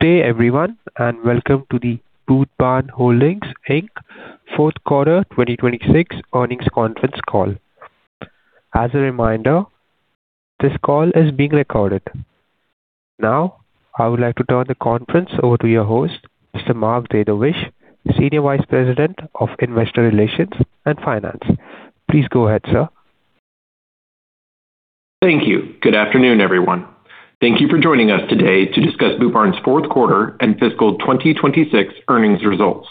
Good day everyone, and welcome to the Boot Barn Holdings, Inc. Q4 2026 earnings conference call. As a reminder, this call is being recorded. Now, I would like to turn the conference over to your host, Mr. Mark Dedovesh, Senior Vice President of Investor Relations and Finance. Please go ahead, sir. Thank you. Good afternoon, everyone. Thank you for joining us today to discuss Boot Barn's Q4 and fiscal 2026 earnings results.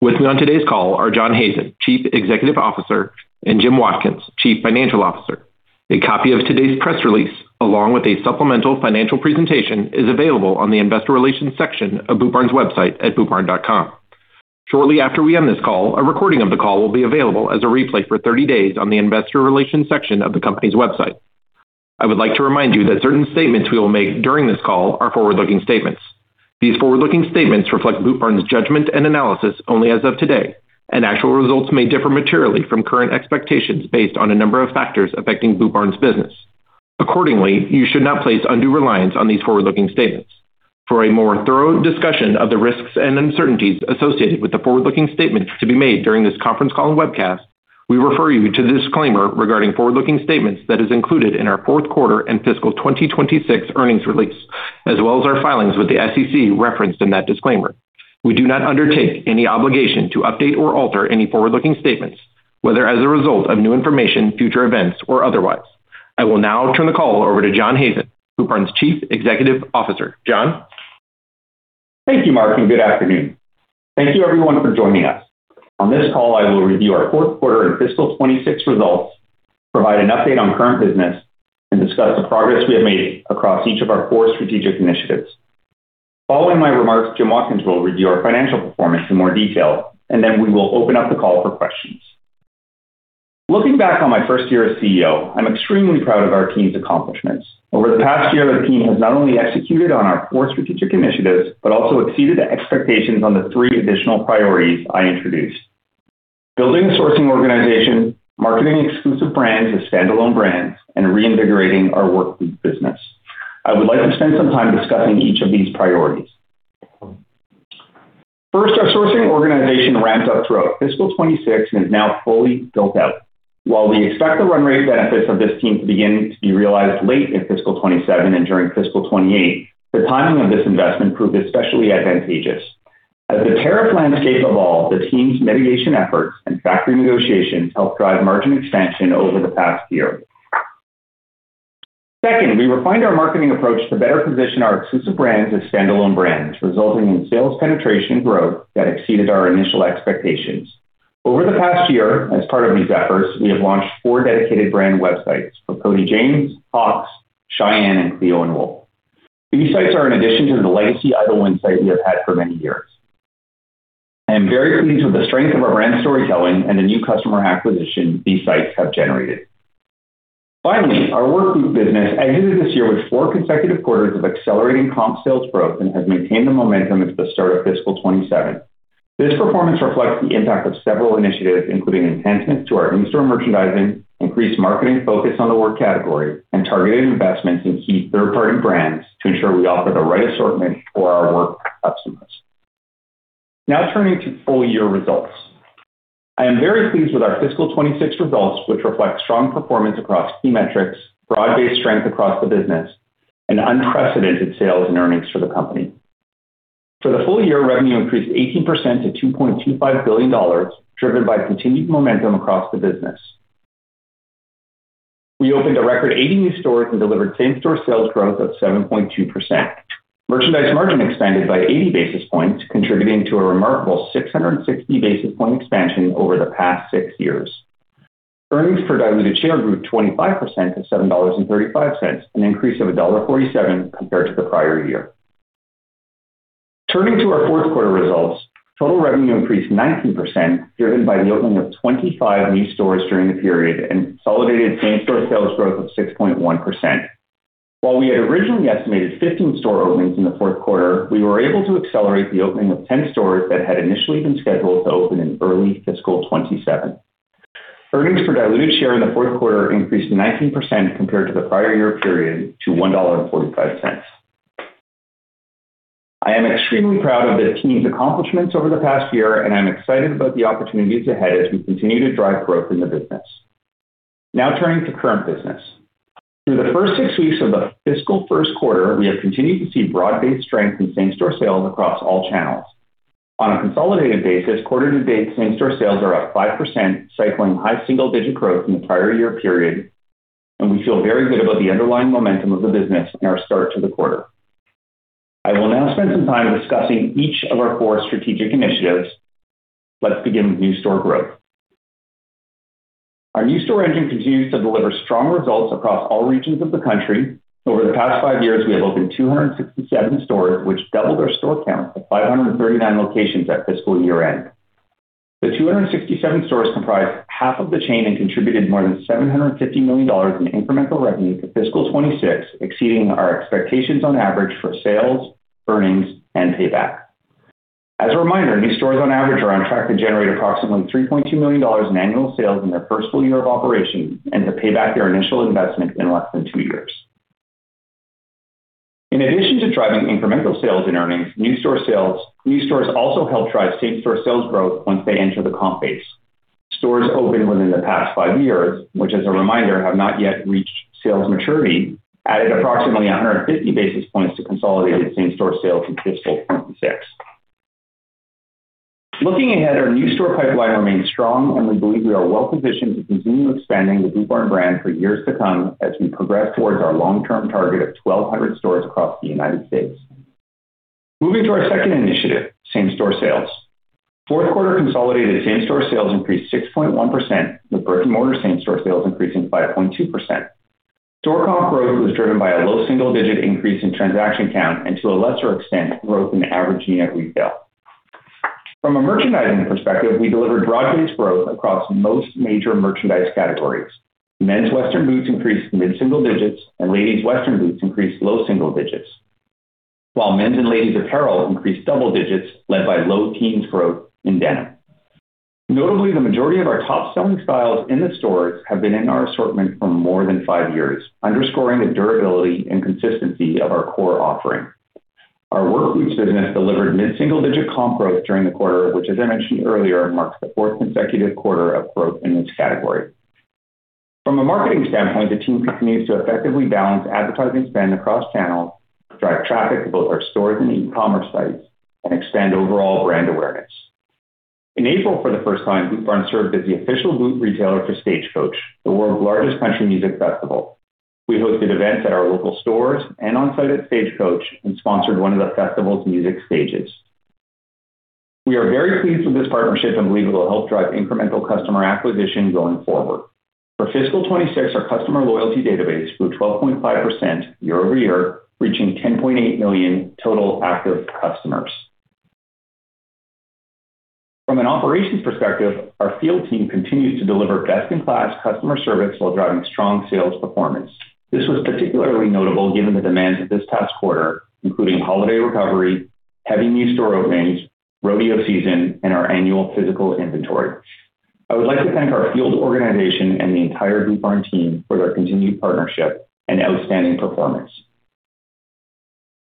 With me on today's call are John Hazen, Chief Executive Officer, and Jim Watkins, Chief Financial Officer. A copy of today's press release, along with a supplemental financial presentation, is available on the investor relations section of Boot Barn's website at bootbarn.com. Shortly after we end this call, a recording of the call will be available as a replay for 30 days on the investor relations section of the company's website. I would like to remind you that certain statements we will make during this call are forward-looking statements. These forward-looking statements reflect Boot Barn's judgment and analysis only as of today, and actual results may differ materially from current expectations based on a number of factors affecting Boot Barn's business. Accordingly, you should not place undue reliance on these forward-looking statements. For a more thorough discussion of the risks and uncertainties associated with the forward-looking statements to be made during this conference call and webcast, we refer you to the disclaimer regarding forward-looking statements that is included in our Q4 and fiscal 2026 earnings release, as well as our filings with the SEC referenced in that disclaimer. We do not undertake any obligation to update or alter any forward-looking statements, whether as a result of new information, future events, or otherwise. I will now turn the call over to John Hazen, Boot Barn's Chief Executive Officer. John. Thank you, Mark. Good afternoon. Thank you everyone for joining us. On this call, I will review our Q4 and fiscal 2026 results, provide an update on current business, and discuss the progress we have made across each of our 4 strategic initiatives. Following my remarks, Jim Watkins will review our financial performance in more detail. Then we will open up the call for questions. Looking back on my first year as CEO, I'm extremely proud of our team's accomplishments. Over the past year, the team has not only executed on our 4 strategic initiatives, but also exceeded expectations on the 3 additional priorities I introduced. Building a sourcing organization, marketing exclusive brands as standalone brands, and reinvigorating our Work Boot business. I would like to spend some time discussing each of these priorities. First, our sourcing organization ramped up throughout fiscal 2026 and is now fully built out. While we expect the run rate benefits of this team to begin to be realized late in fiscal 2027 and during fiscal 2028, the timing of this investment proved especially advantageous. As the tariff landscape evolved, the team's mitigation efforts and factory negotiations helped drive margin expansion over the past year. Second, we refined our marketing approach to better position our exclusive brands as standalone brands, resulting in sales penetration growth that exceeded our initial expectations. Over the past year, as part of these efforts, we have launched four dedicated brand websites for Cody James, Hawx, Shyanne, and Cleo & Wolf. These sites are in addition to the legacy Idyllwind site we have had for many years. I am very pleased with the strength of our brand storytelling and the new customer acquisition these sites have generated. Finally, our Work Boot business exited this year with 4 consecutive quarters of accelerating comp sales growth and has maintained the momentum into the start of fiscal 2027. This performance reflects the impact of several initiatives, including enhancements to our in-store merchandising, increased marketing focus on the work category, and targeted investments in key third-party brands to ensure we offer the right assortment for our work customers. Now turning to full year results. I am very pleased with our fiscal 2026 results, which reflect strong performance across key metrics, broad-based strength across the business, and unprecedented sales and earnings for the company. For the full year, revenue increased 18% to $2.25 billion, driven by continued momentum across the business. We opened a record 80 new stores and delivered same-store sales growth of 7.2%. Merchandise margin expanded by 80Bps, contributing to a remarkable 660Bps expansion over the past six years. Earnings per diluted share grew 25% to $7.35, an increase of $1.47 compared to the prior year. Turning to our Q4 results, total revenue increased 19%, driven by the opening of 25 new stores during the period and consolidated same-store sales growth of 6.1%. While we had originally estimated 15 store openings in the Q4 we were able to accelerate the opening of 10 stores that had initially been scheduled to open in early fiscal 2027. Earnings per diluted share in the Q4 increased 19% compared to the prior year period to $1.45. I am extremely proud of the team's accomplishments over the past year, I'm excited about the opportunities ahead as we continue to drive growth in the business. Now turning to current business. Through the first 6 weeks of the fiscal Q1, we have continued to see broad-based strength in same-store sales across all channels. On a consolidated basis, quarter to date same-store sales are up 5%, cycling high single digit growth in the prior year period, we feel very good about the underlying momentum of the business in our start to the quarter. I will now spend some time discussing each of our 4 strategic initiatives. Let's begin with new store growth. Our new store engine continues to deliver strong results across all regions of the country. Over the past 5 years, we have opened 267 stores, which doubled our store count to 539 locations at fiscal year-end. The 267 stores comprise half of the chain and contributed more than $750 million in incremental revenue to fiscal 2026, exceeding our expectations on average for sales, earnings, and payback. As a reminder, new stores on average are on track to generate approximately $3.2 million in annual sales in their first full year of operation and to pay back their initial investment in less than 2 years. In addition to driving incremental sales and earnings, new stores also help drive same-store sales growth once they enter the comp base. Stores opened within the past five years, which as a reminder, have not yet reached sales maturity, added approximately 150 Bps to consolidated same-store sales in fiscal 2026. Looking ahead, our new store pipeline remains strong, and we believe we are well-positioned to continue expanding the Boot Barn brand for years to come as we progress towards our long-term target of 1,200 stores across the U.S. Moving to our second initiative, same-store sales. Q4 consolidated same-store sales increased 6.1%, with brick-and-mortar same-store sales increasing 5.2%. Store comp growth was driven by a low single-digit increase in transaction count and to a lesser extent, growth in average unit retail. From a merchandising perspective, we delivered broad-based growth across most major merchandise categories. Men's Western boots increased mid-single digits and ladies Western boots increased low single digits. While men's and ladies' apparel increased double digits led by low teens growth in denim. Notably, the majority of our top-selling styles in the stores have been in our assortment for more than 5 years, underscoring the durability and consistency of our core offering. Our work boots business delivered mid-single-digit comp growth during the quarter, which as I mentioned earlier, marks the 4th consecutive quarter of growth in this category. From a marketing standpoint, the team continues to effectively balance advertising spend across channels, drive traffic to both our stores and e-commerce sites, and extend overall brand awareness. In April, for the 1st time, Boot Barn served as the official boot retailer for Stagecoach, the world's largest country music festival. We hosted events at our local stores and on-site at Stagecoach and sponsored one of the festival's music stages. We are very pleased with this partnership and believe it will help drive incremental customer acquisition going forward. For fiscal 2026, our customer loyalty database grew 12.5% year-over-year, reaching 10.8 million total active customers. From an operations perspective, our field team continues to deliver best-in-class customer service while driving strong sales performance. This was particularly notable given the demands of this past quarter, including holiday recovery, heavy new store openings, rodeo season, and our annual physical inventory. I would like to thank our field organization and the entire Boot Barn team for their continued partnership and outstanding performance.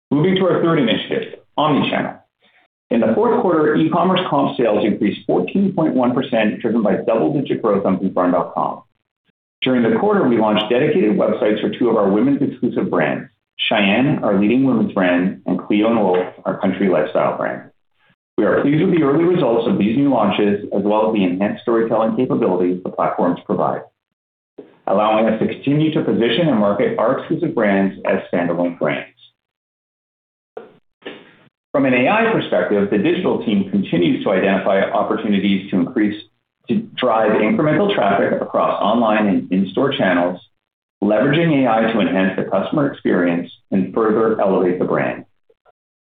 Moving to our third initiative, omnichannel. In the Q4, e-commerce comp sales increased 14.1%, driven by double-digit growth on bootbarn.com. During the quarter, we launched dedicated websites for 2 of our women's exclusive brands, Shyanne, our leading women's brand, and Cleo & Wolf, our country lifestyle brand. We are pleased with the early results of these new launches, as well as the enhanced storytelling capabilities the platforms provide, allowing us to continue to position and market our exclusive brands as standalone brands. From an AI perspective, the digital team continues to identify opportunities to drive incremental traffic across online and in-store channels, leveraging AI to enhance the customer experience and further elevate the brand.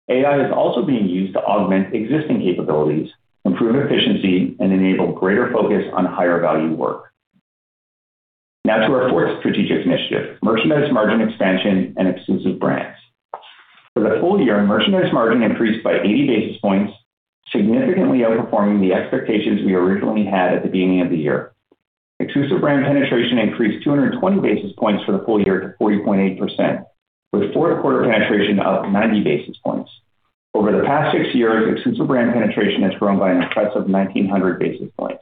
AI is also being used to augment existing capabilities, improve efficiency, and enable greater focus on higher-value work. Now to our fourth strategic initiative, merchandise margin expansion and exclusive brands. For the full year, merchandise margin increased by 80Bps, significantly outperforming the expectations we originally had at the beginning of the year. Exclusive brand penetration increased 220Bps for the full year to 40.8%, with Q4 penetration up 90Bps. Over the past 6 years, exclusive brand penetration has grown by an impressive 1,900Bps.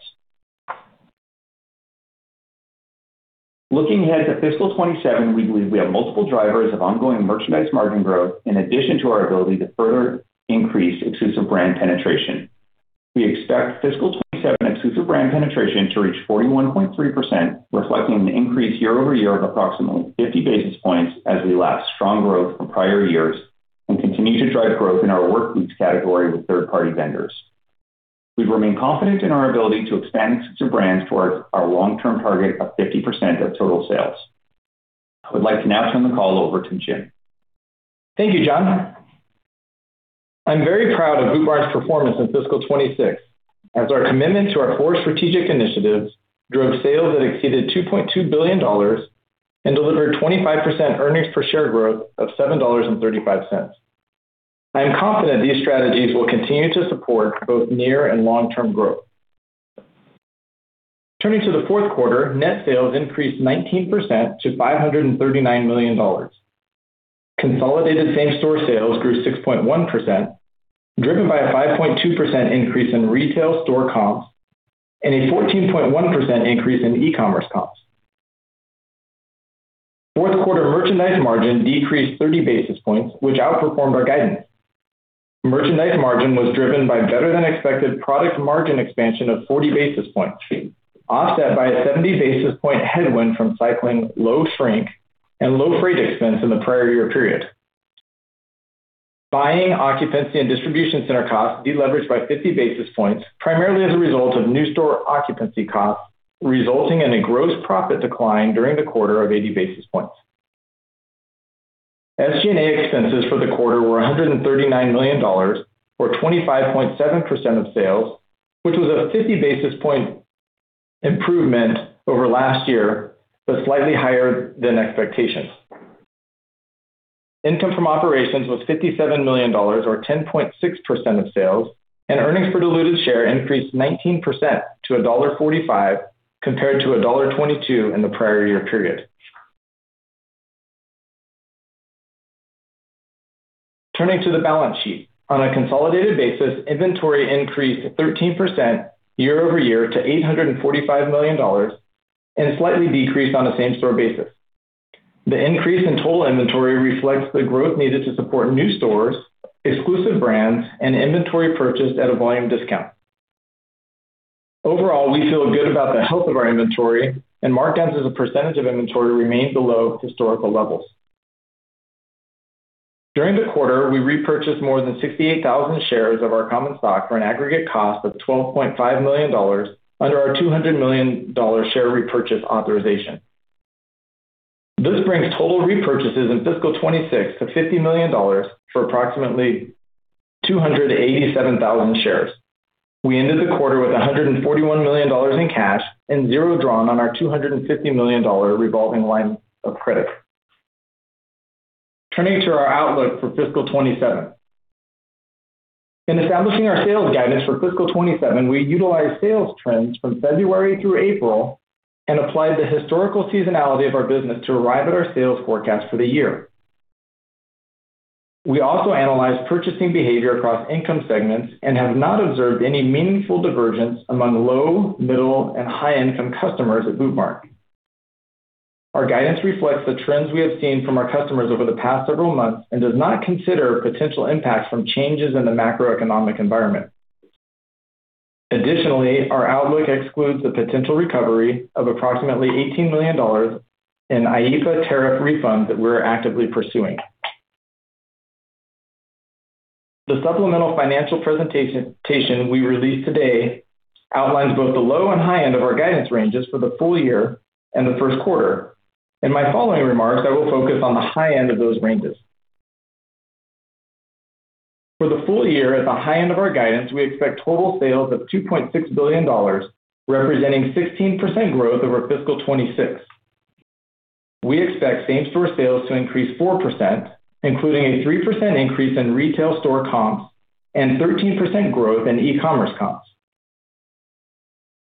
Looking ahead to fiscal 2027, we believe we have multiple drivers of ongoing merchandise margin growth in addition to our ability to further increase exclusive brand penetration. We expect fiscal 2027 exclusive brand penetration to reach 41.3%, reflecting an increase year-over-year of approximately 50Bps as we lap strong growth from prior years and continue to drive growth in our work boots category with third-party vendors. We remain confident in our ability to expand exclusive brands towards our long-term target of 50% of total sales. I would like to now turn the call over to Jim. Thank you, John. I'm very proud of Boot Barn's performance in fiscal 2026, as our commitment to our core strategic initiatives drove sales that exceeded $2.2 billion and delivered 25% earnings per share growth of $7.35. I am confident these strategies will continue to support both near and long-term growth. Turning to the Q4 net sales increased 19% to $539 million. Consolidated same-store sales grew 6.1%, driven by a 5.2% increase in retail store comps and a 14.1% increase in e-commerce comps. Q4 merchandise margin decreased 30Bps, which outperformed our guidance. Merchandise margin was driven by better than expected product margin expansion of 40Bps, offset by a 70Bps headwind from cycling low shrink and low freight expense in the prior year period. Buying occupancy and distribution center costs deleveraged by 50Bps, primarily as a result of new store occupancy costs, resulting in a gross profit decline during the quarter of 80Bps. SG&A expenses for the quarter were $139 million, or 25.7% of sales, which was a 50Bps improvement over last year, but slightly higher than expectations. Income from operations was $57 million or 10.6% of sales, and earnings per diluted share increased 19% to $1.45 compared to $1.22 in the prior year period. Turning to the balance sheet. On a consolidated basis, inventory increased 13% year-over-year to $845 million and slightly decreased on a same-store basis. The increase in total inventory reflects the growth needed to support new stores, Exclusive Brands, and inventory purchased at a volume discount. Overall, we feel good about the health of our inventory and markdowns as a percentage of inventory remained below historical levels. During the quarter, we repurchased more than 68,000 shares of our common stock for an aggregate cost of $12.5 million under our $200 million share repurchase authorization. This brings total repurchases in fiscal 2026 to $50 million for approximately 287,000 shares. We ended the quarter with $141 million in cash and zero drawn on our $250 million revolving line of credit. Turning to our outlook for fiscal 2027. In establishing our sales guidance for fiscal 2027, we utilized sales trends from February through April and applied the historical seasonality of our business to arrive at our sales forecast for the year. We also analyzed purchasing behavior across income segments and have not observed any meaningful divergence among low, middle, and high-income customers at Boot Barn. Our guidance reflects the trends we have seen from our customers over the past several months and does not consider potential impacts from changes in the macroeconomic environment. Additionally, our outlook excludes the potential recovery of approximately $18 million in IEPA tariff refunds that we're actively pursuing. The supplemental financial presentation we released today outlines both the low and high end of our guidance ranges for the full year and the Q1. In my following remarks, I will focus on the high end of those ranges. For the full year, at the high end of our guidance, we expect total sales of $2.6 billion, representing 16% growth over fiscal 2026. We expect same-store sales to increase 4%, including a 3% increase in retail store comps and 13% growth in e-commerce comps.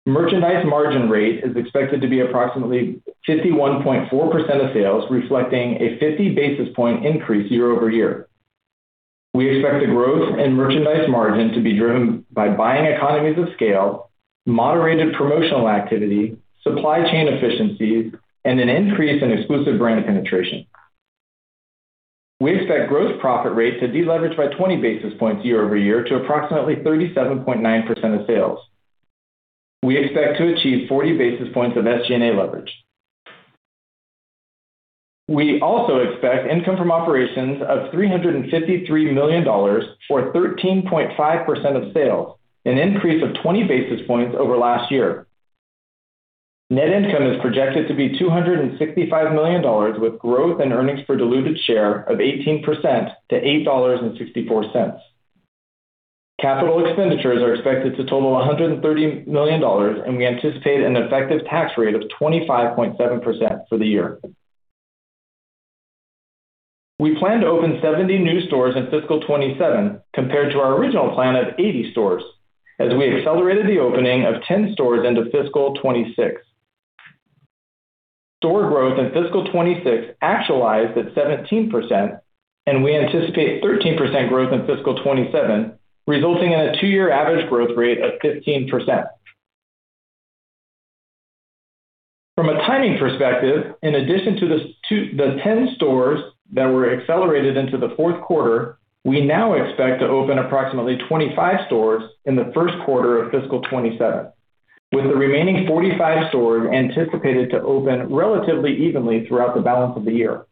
Merchandise margin rate is expected to be approximately 51.4% of sales, reflecting a 50Bps increase year-over-year. We expect the growth in merchandise margin to be driven by buying economies of scale, moderated promotional activity, supply chain efficiencies, and an increase in exclusive brand penetration. We expect gross profit rate to deleverage by 20Bps year-over-year to approximately 37.9% of sales. We expect to achieve 40Bpsof SG&A leverage. We also expect income from operations of $353 million, or 13.5% of sales, an increase of 20Bps over last year. Net income is projected to be $265 million, with growth in earnings per diluted share of 18% to $8.64. Capital expenditures are expected to total $130 million, and we anticipate an effective tax rate of 25.7% for the year. We plan to open 70 new stores in fiscal 2027 compared to our original plan of 80 stores, as we accelerated the opening of 10 stores into fiscal 2026. Store growth in fiscal 2026 actualized at 17%, and we anticipate 13% growth in fiscal 2027, resulting in a two-year average growth rate of 15%. From a timing perspective, in addition to the 10 stores that were accelerated into the Q4, we now expect to open approximately 25 stores in the Q1 of fiscal 2027, with the remaining 45 stores anticipated to open relatively evenly throughout the balance of the year.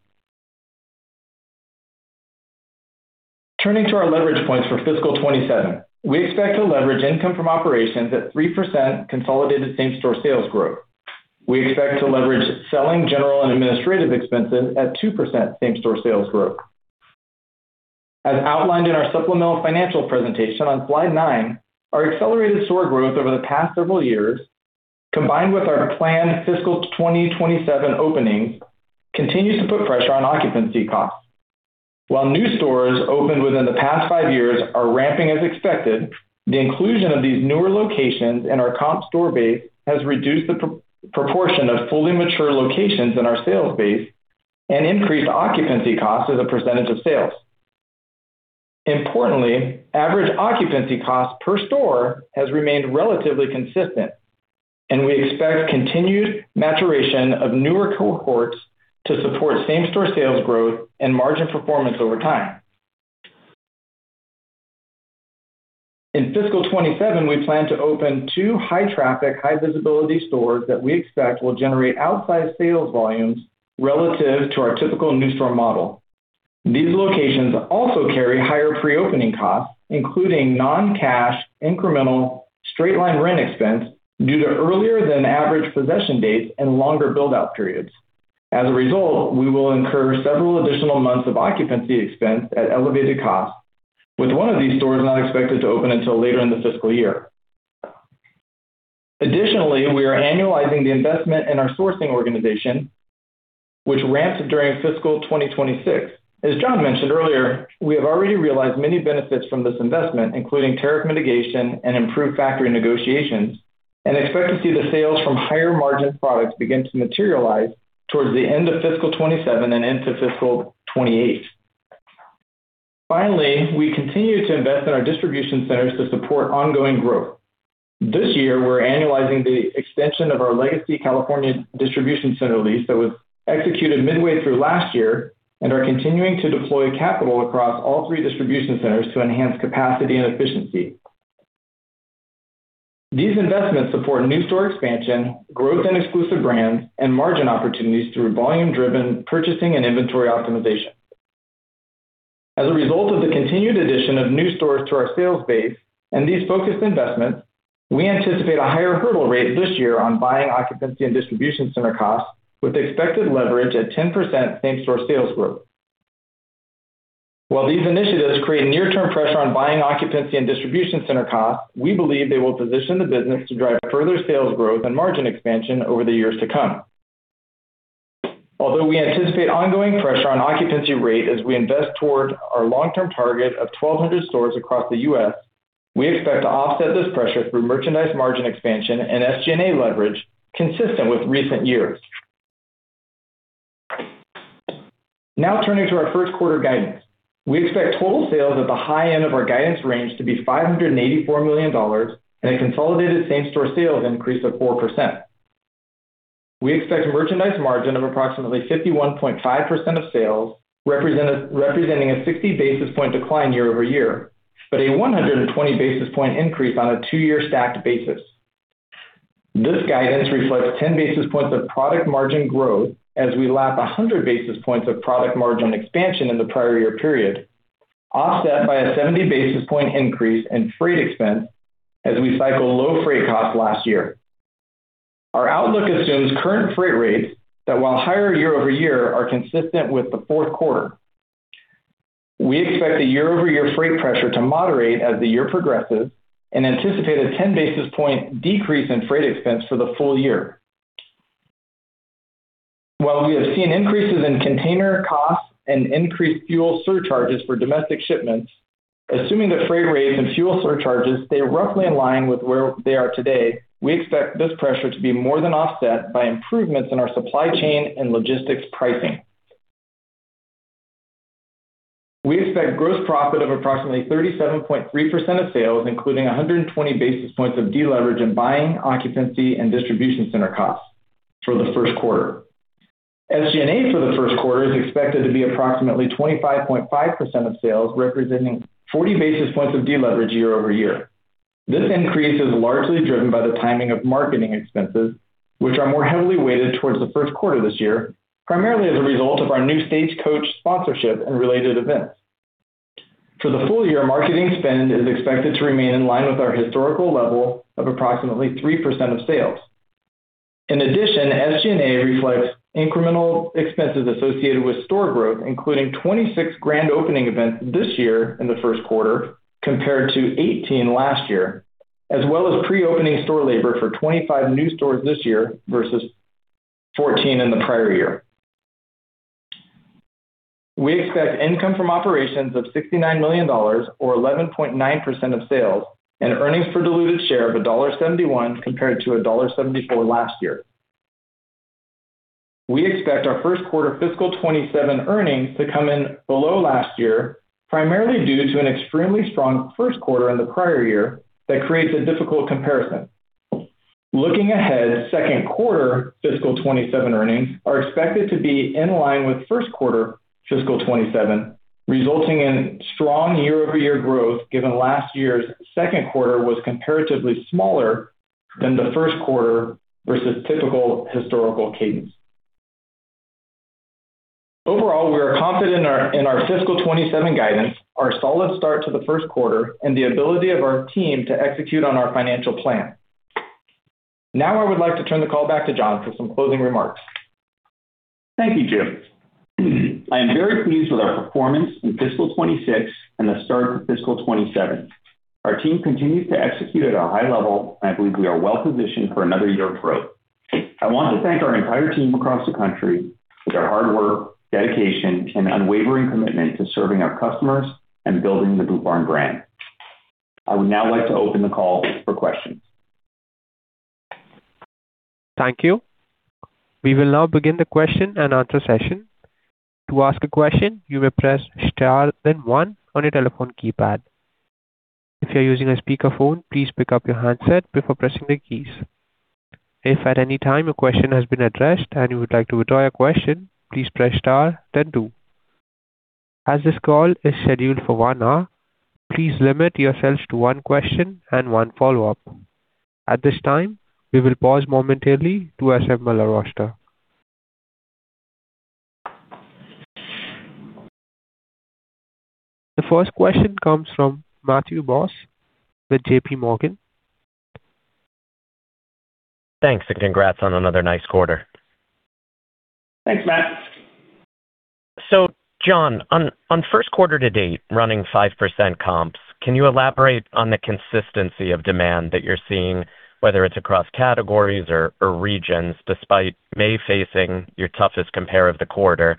Turning to our leverage points for fiscal 2027. We expect to leverage income from operations at 3% consolidated same-store sales growth. We expect to leverage Selling, General and Administrative Expenses at 2% same-store sales growth. As outlined in our supplemental financial presentation on slide 9, our accelerated store growth over the past several years, combined with our planned fiscal 2027 openings, continues to put pressure on occupancy costs. While new stores opened within the past five years are ramping as expected, the inclusion of these newer locations in our comp store base has reduced the pro-proportion of fully mature locations in our sales base and increased occupancy costs as a percentage of sales. Importantly, average occupancy cost per store has remained relatively consistent, and we expect continued maturation of newer cohorts to support same-store sales growth and margin performance over time. In fiscal 2027, we plan to open two high-traffic, high-visibility stores that we expect will generate outsized sales volumes relative to our typical new store model. These locations also carry higher pre-opening costs, including non-cash incremental straight-line rent expense due to earlier than average possession dates and longer build-out periods. As a result, we will incur several additional months of occupancy expense at elevated costs, with one of these stores not expected to open until later in the fiscal year. We are annualizing the investment in our sourcing organization, which ramped during fiscal 2026. As John mentioned earlier, we have already realized many benefits from this investment, including tariff mitigation and improved factory negotiations, and expect to see the sales from higher margin products begin to materialize towards the end of fiscal 2027 and into fiscal 2028. We continue to invest in our distribution centers to support ongoing growth. This year, we're annualizing the extension of our legacy California distribution center lease that was executed midway through last year and are continuing to deploy capital across all three distribution centers to enhance capacity and efficiency. These investments support new store expansion, growth in Exclusive Brands, and margin opportunities through volume-driven purchasing and inventory optimization. As a result of the continued addition of new stores to our sales base and these focused investments, we anticipate a higher hurdle rate this year on buying occupancy and distribution center costs with expected leverage at 10% same-store sales growth. While these initiatives create near-term pressure on buying occupancy and distribution center costs, we believe they will position the business to drive further sales growth and margin expansion over the years to come. Although we anticipate ongoing pressure on occupancy rate as we invest toward our long-term target of 1,200 stores across the U.S., we expect to offset this pressure through merchandise margin expansion and SG&A leverage consistent with recent years. Now turning to our Q1 guidance. We expect total sales at the high end of our guidance range to be $584 million and a consolidated same-store sales increase of 4%. We expect merchandise margin of approximately 51.5% of sales, representing a 60Bps decline year-over-year, but a 120Bps increase on a 2-year stacked basis. This guidance reflects 10Bps of product margin growth as we lap 100Bps of product margin expansion in the prior year period, offset by a 70Bps increase in freight expense as we cycle low freight costs last year. Our outlook assumes current freight rates that, while higher year-over-year, are consistent with the Q4. We expect the year-over-year freight pressure to moderate as the year progresses and anticipate a 10Bps decrease in freight expense for the full year. While we have seen increases in container costs and increased fuel surcharges for domestic shipments, assuming that freight rates and fuel surcharges stay roughly in line with where they are today, we expect this pressure to be more than offset by improvements in our supply chain and logistics pricing. We expect gross profit of approximately 37.3% of sales, including 120Bpsof deleverage in buying occupancy and distribution center costs for the Q1. SG&A for the Q1 is expected to be approximately 25.5% of sales, representing 40 Bps of deleverage year-over-year. This increase is largely driven by the timing of marketing expenses, which are more heavily weighted towards the Q1 this year, primarily as a result of our new Stagecoach sponsorship and related events. For the full year, marketing spend is expected to remain in line with our historical level of approximately 3% of sales. SG&A reflects incremental expenses associated with store growth, including 26 grand opening events this year in the Q1 compared to 18 last year, as well as pre-opening store labor for 25 new stores this year versus 14 in the prior year. We expect income from operations of $69 million or 11.9% of sales and earnings per diluted share of $1.71 compared to $1.74 last year. We expect our Q1 fiscal 2027 earnings to come in below last year, primarily due to an extremely strong Q1 in the prior year that creates a difficult comparison. Looking ahead, second quarter fiscal 2027 earnings are expected to be in line with Q1 fiscal 2027, resulting in strong year-over-year growth given last year's second quarter was comparatively smaller than the Q1 versus typical historical cadence. We are confident in our fiscal 2027 guidance, our solid start to the Q1, and the ability of our team to execute on our financial plan. I would like to turn the call back to John for some closing remarks. Thank you, Jim. I am very pleased with our performance in fiscal 2026 and the start to fiscal 2027. Our team continues to execute at a high level. I believe we are well positioned for another year of growth. I want to thank our entire team across the country for their hard work, dedication, and unwavering commitment to serving our customers and building the Boot Barn brand. I would now like to open the call for questions. Thank you. We will now begin the question and answer session. To ask a question, you may press star then 1 on your telephone keypad. If you're using a speakerphone, please pick up your handset before pressing the keys. If at any time your question has been addressed, and you would like to withdraw your question, please press star then 2. As this call is scheduled for 1 hour, please limit yourselves to 1 question and 1 follow-up. At this time, we will pause momentarily to assemble our roster. The Q1 comes from Matthew Boss with JPMorgan. Thanks, and congrats on another nice quarter. Thanks, Matt. John, on Q1 to date, running 5% comps, can you elaborate on the consistency of demand that you're seeing, whether it's across categories or regions, despite May facing your toughest compare of the quarter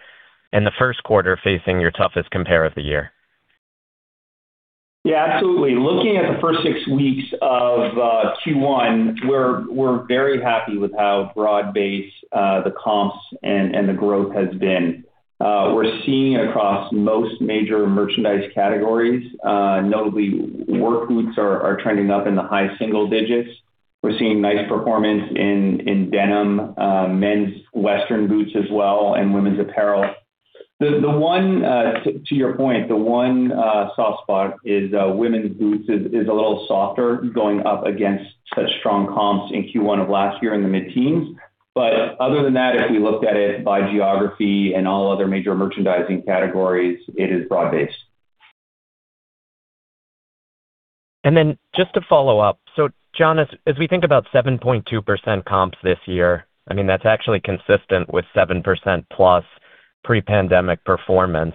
and the Q1 facing your toughest compare of the year? Yeah, absolutely. Looking at the 1st 6 weeks of Q1, we're very happy with how broad-based the comps and the growth has been. We're seeing across most major merchandise categories, notably work boots are trending up in the high single digits. We're seeing nice performance in denim, men's Western boots as well, and women's apparel. The one to your point, the one soft spot is women's boots is a little softer going up against such strong comps in Q1 of last year in the mid-teens. Other than that, if we looked at it by geography and all other major merchandising categories, it is broad-based. Then just to follow up. John, as we think about 7.2% comps this year, I mean, that's actually consistent with 7%+ pre-pandemic performance.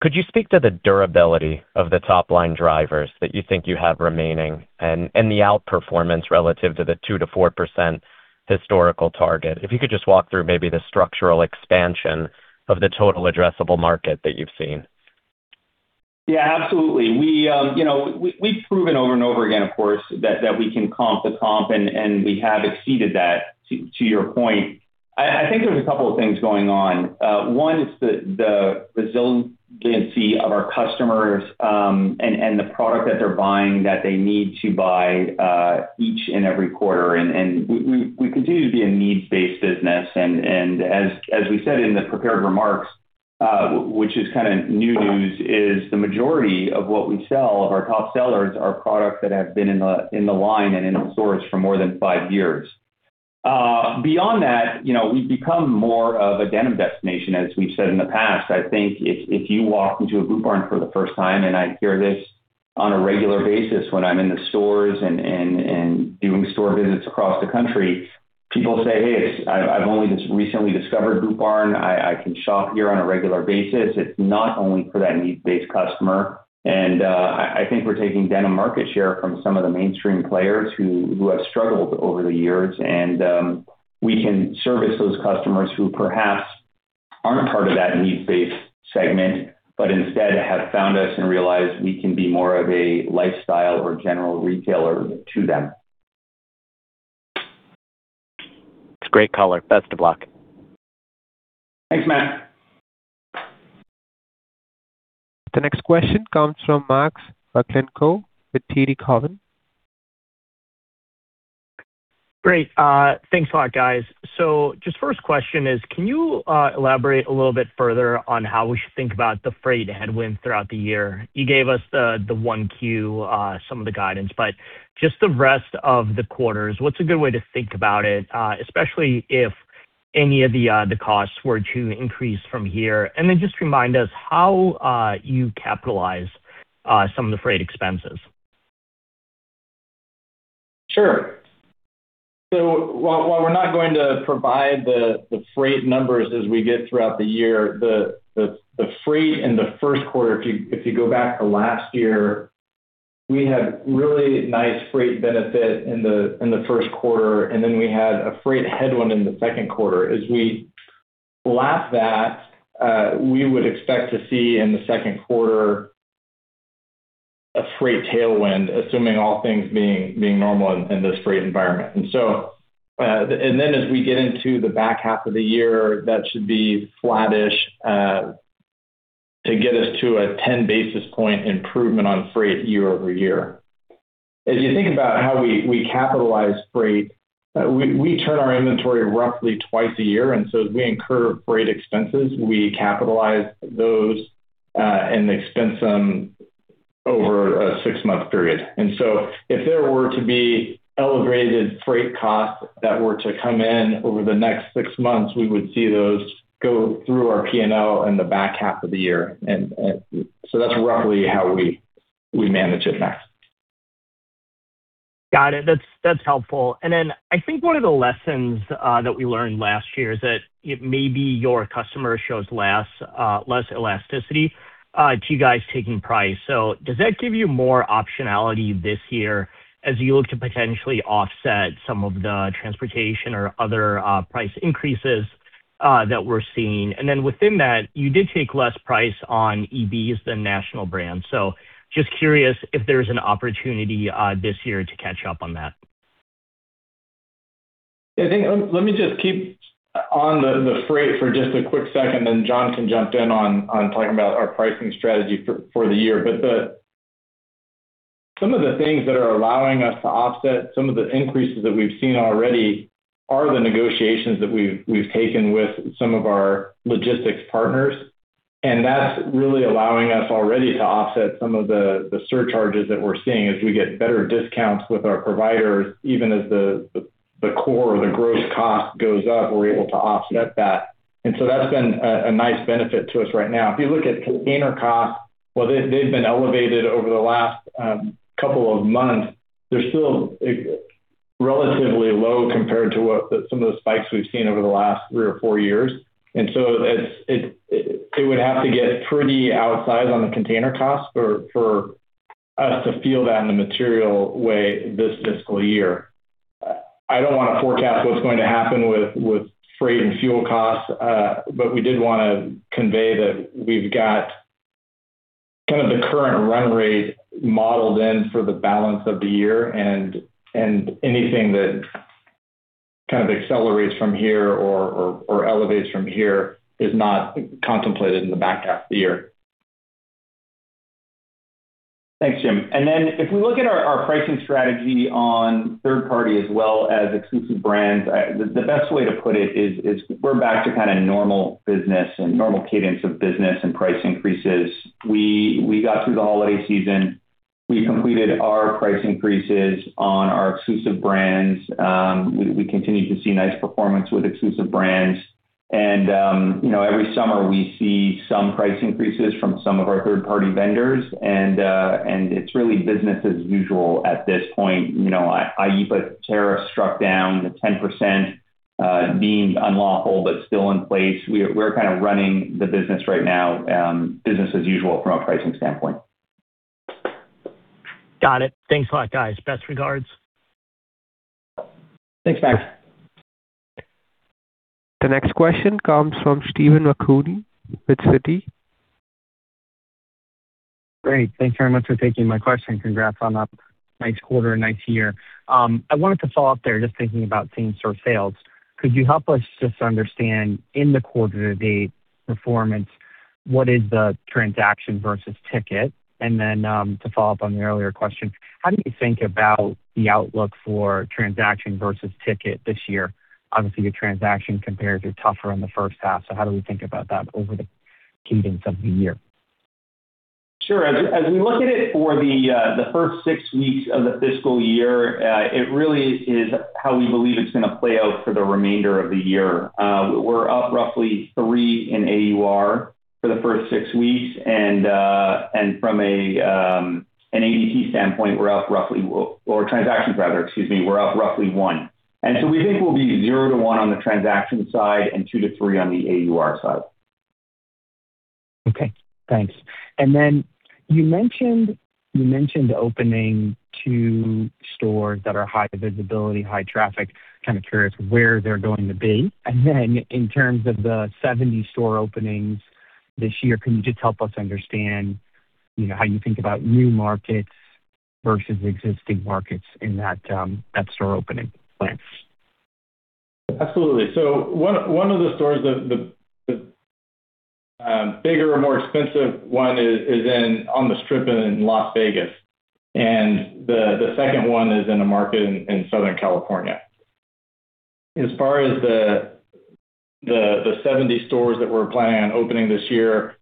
Could you speak to the durability of the top-line drivers that you think you have remaining and the outperformance relative to the 2%-4% historical target? If you could just walk through maybe the structural expansion of the total addressable market that you've seen. Yeah, absolutely. We, you know, we've proven over and over again, of course, that we can comp the comp, and we have exceeded that to your point. I think there's a couple of things going on. One is the resiliency of our customers, and the product that they're buying that they need to buy each and every quarter. We continue to be a needs-based business and as we said in the prepared remarks, which is kind of new news, is the majority of what we sell, of our top sellers are products that have been in the line and in our stores for more than 5 years. Beyond that, you know, we've become more of a denim destination, as we've said in the past. I think if you walk into a Boot Barn for the first time, and I hear this on a regular basis when I'm in the stores and doing store visits across the country, people say, "Hey, I've only just recently discovered Boot Barn. I can shop here on a regular basis." It's not only for that needs-based customer. I think we're taking denim market share from some of the mainstream players who have struggled over the years. We can service those customers who perhaps aren't part of that needs-based segment, but instead have found us and realized we can be more of a lifestyle or general retailer to them. It's a great color. Best of luck. Thanks, Matt. The next question comes from Max Rakhlenko with TD Cowen. Great. Thanks a lot, guys. Just Q1 is, can you elaborate a little bit further on how we should think about the freight headwinds throughout the year? You gave us the 1Q, some of the guidance. Just the rest of the quarters, what's a good way to think about it, especially if any of the costs were to increase from here? Just remind us how you capitalize some of the freight expenses. Sure. While we're not going to provide the freight numbers as we get throughout the year, the freight in the Q1, if you go back to last year, we had really nice freight benefit in the Q1, and then we had a freight headwind in the second quarter. As we lap that, we would expect to see in the second quarter a freight tailwind, assuming all things being normal in this freight environment. As we get into the back half of the year, that should be flattish to get us to a 10 basis point improvement on freight year-over-year. As you think about how we capitalize freight, we turn our inventory roughly 2 times a year, as we incur freight expenses, we capitalize those and expense them over a 6-month period. If there were to be elevated freight costs that were to come in over the next 6 months, we would see those go through our P&L in the back half of the year. That's roughly how we manage it, Max. Got it. That's helpful. I think one of the lessons that we learned last year is that it may be your customer shows less elasticity to you guys taking price. Does that give you more optionality this year as you look to potentially offset some of the transportation or other price increases that we're seeing? Within that, you did take less price on EBs than national brands. Just curious if there's an opportunity this year to catch up on that. Let me just keep on the freight for just a quick second. John can jump in on talking about our pricing strategy for the year. Some of the things that are allowing us to offset some of the increases that we've seen already are the negotiations that we've taken with some of our logistics partners. That's really allowing us already to offset some of the surcharges that we're seeing. As we get better discounts with our providers, even as the core or the gross cost goes up, we're able to offset that. That's been a nice benefit to us right now. If you look at container costs, while they've been elevated over the last 2 months, they're still relatively low compared to what some of the spikes we've seen over the last 3 or 4 years. It would have to get pretty outsized on the container cost for us to feel that in a material way this fiscal year. I don't wanna forecast what's going to happen with freight and fuel costs, we did wanna convey that we've got kind of the current run rate modeled in for the balance of the year and anything that kind of accelerates from here or elevates from here is not contemplated in the back half of the year. Thanks, Jim. Then if we look at our pricing strategy on third party as well as Exclusive Brands, the best way to put it is we're back to kind of normal business and normal cadence of business and price increases. We got through the holiday season. We completed our price increases on our Exclusive Brands. We continue to see nice performance with Exclusive Brands and, you know, every summer we see some price increases from some of our third-party vendors and it's really business as usual at this point. You know, IEPA tariff struck down the 10%, deemed unlawful but still in place. We're kind of running the business right now, business as usual from a pricing standpoint. Got it. Thanks a lot, guys. Best regards. Thanks, Max. The next question comes from Steven Zaccone with Citi. Great. Thank you very much for taking my question. Congrats on a nice quarter, nice year. I wanted to follow up there just thinking about same-store sales. Could you help us just understand in the quarter to date performance, what is the transaction versus ticket? And then, to follow up on the earlier question, how do you think about the outlook for transaction versus ticket this year? Obviously, your transaction compares are tougher in the first half, so how do we think about that over the cadence of the year? Sure. As we look at it for the first 6 weeks of the fiscal year, it really is how we believe it's gonna play out for the remainder of the year. We're up roughly 3 in AUR for the first 6 weeks. transactions rather, excuse me, we're up roughly 1. We think we'll be 0-1 on the transaction side and 2-3 on the AUR side. Okay, thanks. You mentioned opening two stores that are high visibility, high traffic. Kind of curious where they're going to be. In terms of the 70 store openings this year, can you just help us understand, you know, how you think about new markets versus existing markets in that store opening plans? Absolutely. One of the stores, the bigger and more expensive one is in on the strip in Las Vegas, and the second one is in a market in Southern California. As far as the 70 stores that we're planning on opening this year,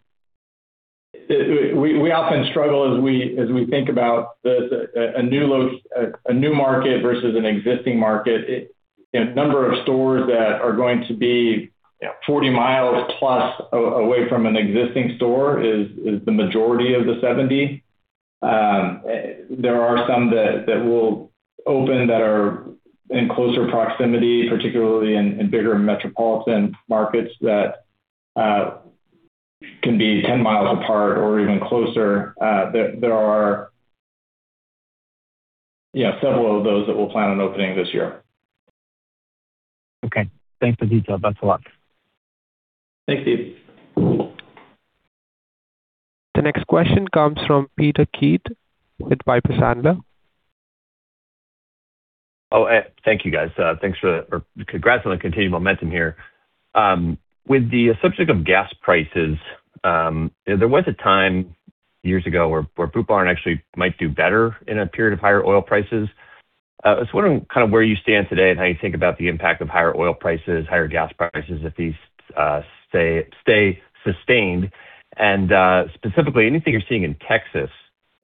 we often struggle as we think about a new market versus an existing market. A number of stores that are going to be 40 miles plus away from an existing store is the majority of the 70. There are some that we'll open that are in closer proximity, particularly in bigger metropolitan markets that can be 10 miles apart or even closer. There are, you know, several of those that we'll plan on opening this year. Okay. Thanks for the detail. Best of luck. Thanks, Steve. The next question comes from Peter Keith with Piper Sandler. Thank you, guys. Congrats on the continued momentum here. With the subject of gas prices, there was a time years ago where Boot Barn actually might do better in a period of higher oil prices. I was wondering kind of where you stand today and how you think about the impact of higher oil prices, higher gas prices if these stay sustained. Specifically anything you're seeing in Texas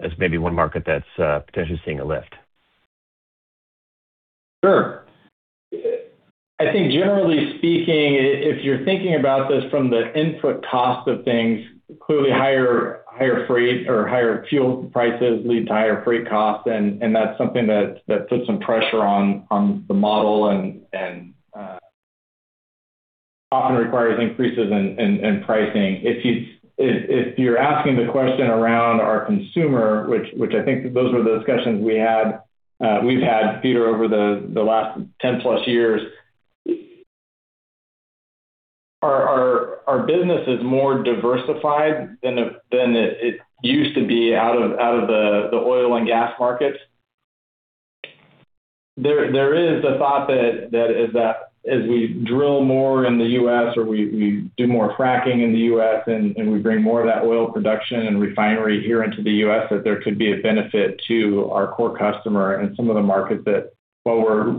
as maybe one market that's potentially seeing a lift. Sure. I think generally speaking, if you're thinking about this from the input cost of things, clearly higher freight or higher fuel prices lead to higher freight costs, and that's something that puts some pressure on the model and often requires increases in pricing. If you're asking the question around our consumer, which I think those were the discussions we had, we've had, Peter, over the last 10 plus years. Our business is more diversified than it used to be out of the oil and gas markets. There is the thought that as we drill more in the U.S. or we do more fracking in the U.S. and we bring more of that oil production and refinery here into the U.S., that there could be a benefit to our core customer in some of the markets that, while we're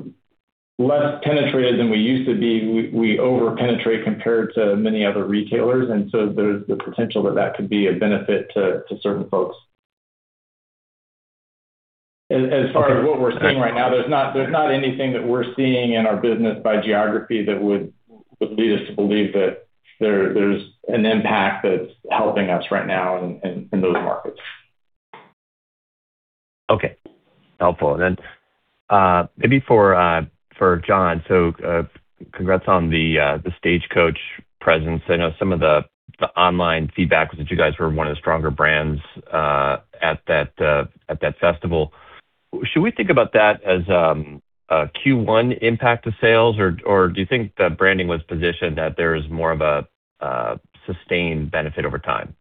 less penetrated than we used to be, we over-penetrate compared to many other retailers. There's the potential that could be a benefit to certain folks. As far as what we're seeing right now, there's not anything that we're seeing in our business by geography that would lead us to believe that there's an impact that's helping us right now in those markets. Okay. Helpful. Maybe for John. Congrats on the Stagecoach presence. I know some of the online feedback was that you guys were one of the stronger brands, at that, at that festival. Should we think about that as, a Q1 impact to sales? Or do you think the branding was positioned that there is more of a sustained benefit over time?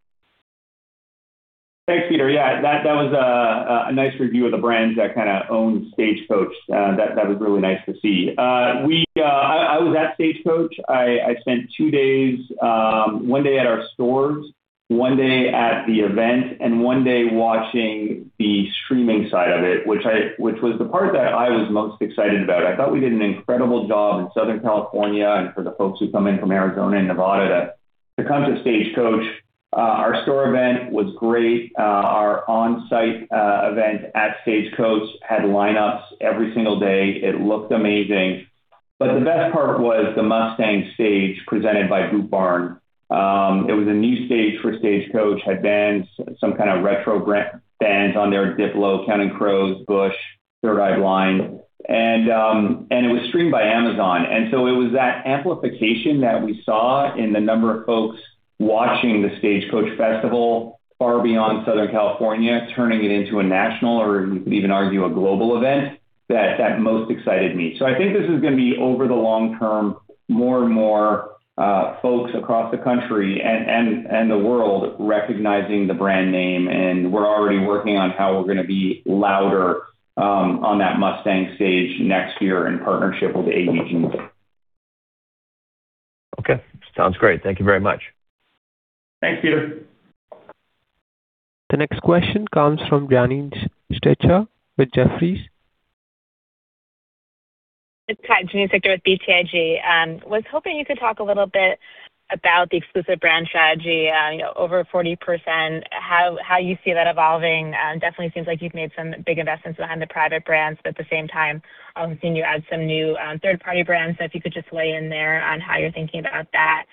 Thanks, Peter. That was a nice review of the brands that kinda own Stagecoach. That was really nice to see. I was at Stagecoach. I spent two days, one day at our stores, one day at the event, and one day watching the streaming side of it, which was the part that I was most excited about. I thought we did an incredible job in Southern California and for the folks who come in from Arizona and Nevada to come to Stagecoach. Our store event was great. Our on-site event at Stagecoach had lineups every single day. It looked amazing. The best part was the Mustang Stage presented by Boot Barn. It was a new stage for Stagecoach. Had bands, some kinda retro brand-bands on there, Diplo, Counting Crows, Bush, Third Eye Blind. It was streamed by Amazon. It was that amplification that we saw in the number of folks watching the Stagecoach Festival far beyond Southern California, turning it into a national, or you could even argue a global event, that most excited me. I think this is gonna be, over the long term, more and more folks across the country and the world recognizing the brand name. We're already working on how we're gonna be louder on that Mustang Stage next year in partnership with AEG. Okay. Sounds great. Thank you very much. Thanks, Peter. The next question comes from Janine Stichter with Jefferies. It's Janine Stichter with BTIG. I was hoping you could talk a little bit about the exclusive brand strategy, you know, over 40%, how you see that evolving. Definitely seems like you've made some big investments behind the private brands, but at the same time, seeing you add some new third-party brands. If you could just weigh in there on how you're thinking about that.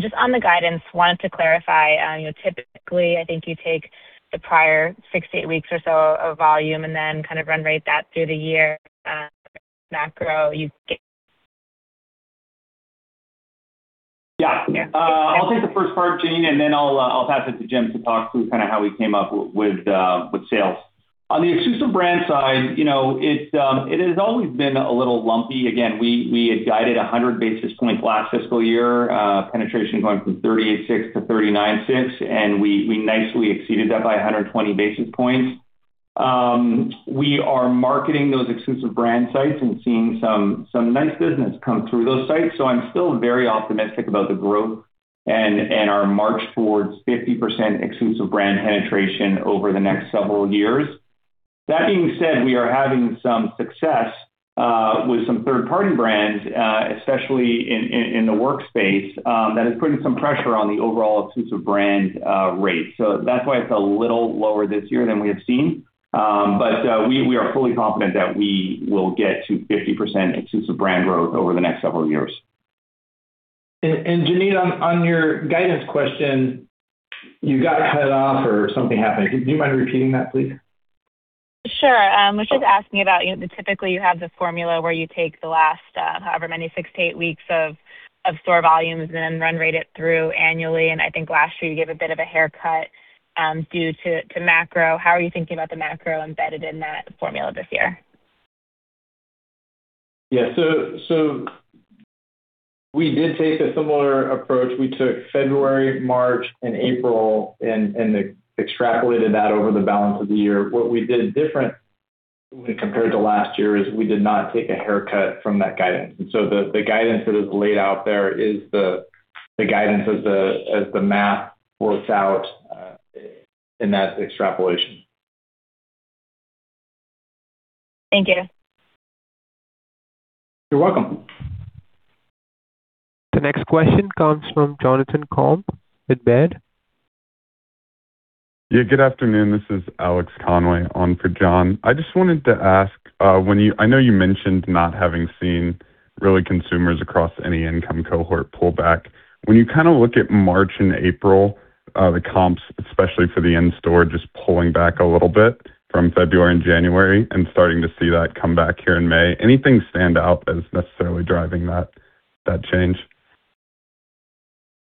Just on the guidance, I wanted to clarify, you know, typically, I think you take the prior 6 to 8 weeks or so of volume and then kind of run rate that through the year, macro you get. Yeah. Yeah. I'll take the first part, Janine, and then I'll pass it to Jim to talk through kinda how we came up with sales. On the Exclusive Brand side, you know, it has always been a little lumpy. Again, we had guided 100 Bps last fiscal year, penetration going from 38.6 to 39.6, and we nicely exceeded that by 120 Bps. We are marketing those Exclusive Brand sites and seeing some nice business come through those sites, so I'm still very optimistic about the growth and our march towards 50% Exclusive Brand penetration over the next several years. That being said, we are having some success with some third-party brands, especially in the workspace, that is putting some pressure on the overall exclusive brand rate. That's why it's a little lower this year than we have seen. We are fully confident that we will get to 50% exclusive brand growth over the next several years. Janine, on your guidance question, you got cut off or something happened. Do you mind repeating that, please? Sure. was just asking about, you know, typically you have the formula where you take the last, however many, 6-8 weeks of store volumes and then run rate it through annually. I think last year you gave a bit of a haircut due to macro. How are you thinking about the macro embedded in that formula this year? We did take a similar approach. We took February, March, and April and extrapolated that over the balance of the year. What we did different when compared to last year is we did not take a haircut from that guidance. The guidance that is laid out there is the guidance as the math works out in that extrapolation. Thank you. You're welcome. The next question comes from Jonathan Komp with Baird. Yeah. Good afternoon. This is Alex Conway on for John. I just wanted to ask, when you I know you mentioned not having seen really consumers across any income cohort pull back. When you kinda look at March and April, the comps, especially for the in-store, just pulling back a little bit from February and January and starting to see that come back here in May. Anything stand out that is necessarily driving that change?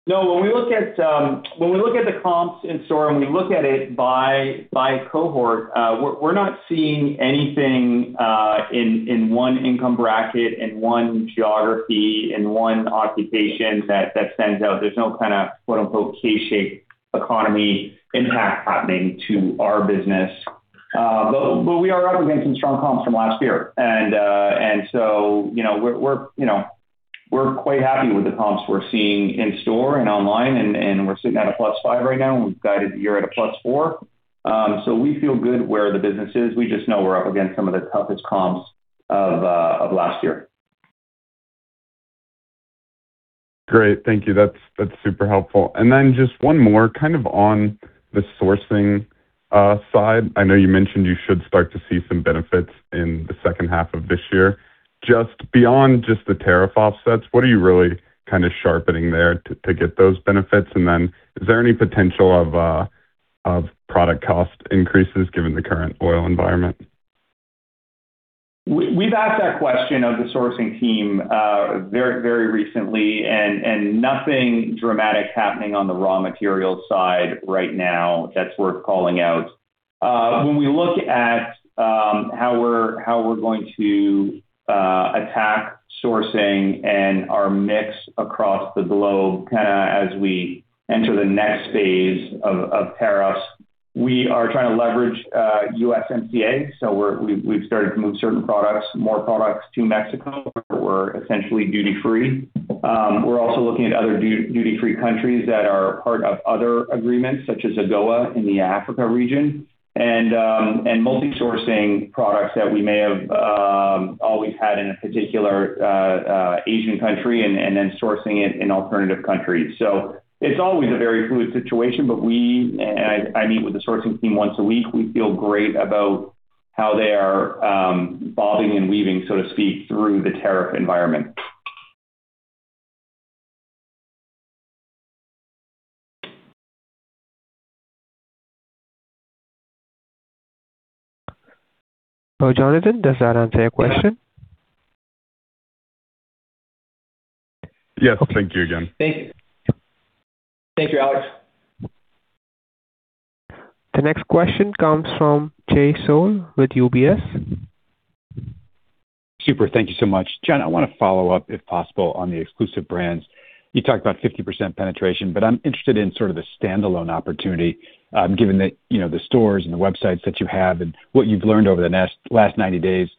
No. When we look at, when we look at the comps in store and we look at it by cohort, we're not seeing anything in one income bracket, in one geography, in one occupation that stands out. There's no kind of, quote-unquote, "K-shaped Economy impact" happening to our business. We are up against some strong comps from last year. You know, we're quite happy with the comps we're seeing in store and online and we're sitting at a +5% right now, and we've guided the year at a +4%. We feel good where the business is. We just know we're up against some of the toughest comps of last year. Great. Thank you. That's super helpful. Just one more kind of on the sourcing side. I know you mentioned you should start to see some benefits in the second half of this year. Just beyond just the tariff offsets, what are you really kind of sharpening there to get those benefits? Is there any potential of product cost increases given the current oil environment? We've asked that question of the sourcing team very recently, nothing dramatic happening on the raw material side right now that's worth calling out. When we look at how we're going to attack sourcing and our mix across the globe, kind of as we enter the next phase of tariffs, we are trying to leverage USMCA. We've started to move certain products, more products to Mexico where we're essentially duty-free. We're also looking at other duty-free countries that are part of other agreements, such as AGOA in the Africa region. Multi-sourcing products that we may have always had in a particular Asian country and then sourcing it in alternative countries. It's always a very fluid situation. I meet with the sourcing team once a week. We feel great about how they are bobbing and weaving, so to speak, through the tariff environment. Well, Jonathan, does that answer your question? Yes. Thank you again. Thank you. Thank you, Alex. The next question comes from Jay Sole with UBS. Super. Thank you so much. John, I wanna follow up, if possible, on the Exclusive Brands. You talked about 50% penetration, but I'm interested in sort of the standalone opportunity, given that, you know, the stores and the websites that you have and what you've learned over the last 90 days,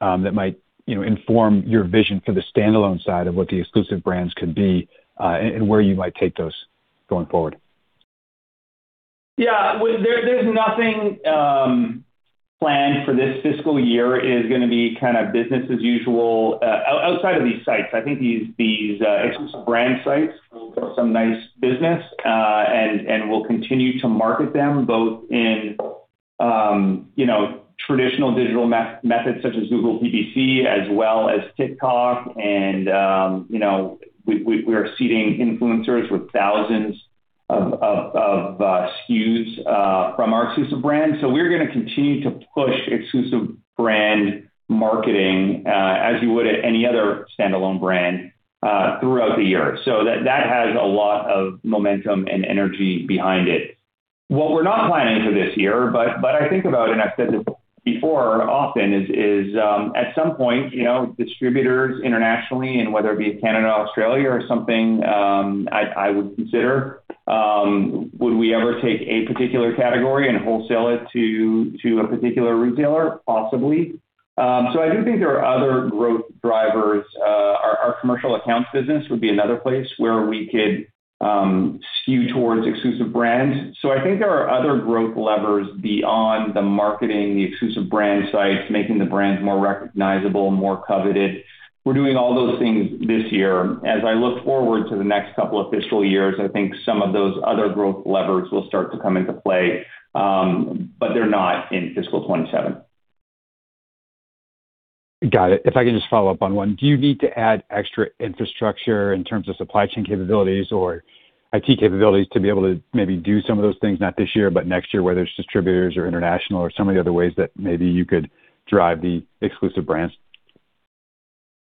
that might, you know, inform your vision for the standalone side of what the Exclusive Brands could be, and where you might take those going forward. Yeah. Well, there's nothing planned for this fiscal year. It is gonna be kind of business as usual. Outside of these sites, I think these exclusive brand sites will build some nice business, and we'll continue to market them both in, you know, traditional digital methods such as Google PPC as well as TikTok. You know, we are seeding influencers with thousands of SKUs from our exclusive brand. We're gonna continue to push exclusive brand marketing as you would at any other standalone brand throughout the year. That has a lot of momentum and energy behind it. What we're not planning for this year, but I think about, and I've said this before often, is, at some point, you know, distributors internationally, and whether it be Canada or Australia or something, I would consider, would we ever take a particular category and wholesale it to a particular retailer? Possibly. I do think there are other growth drivers. Our commercial accounts business would be another place where we could skew towards exclusive brands. I think there are other growth levers beyond the marketing, the exclusive brand sites, making the brands more recognizable, more coveted. We're doing all those things this year. As I look forward to the next couple of fiscal years, I think some of those other growth levers will start to come into play, but they're not in fiscal 2027. Got it. If I can just follow up on one. Do you need to add extra infrastructure in terms of supply chain capabilities or IT capabilities to be able to maybe do some of those things, not this year, but next year, whether it's distributors or international or some of the other ways that maybe you could drive the exclusive brands?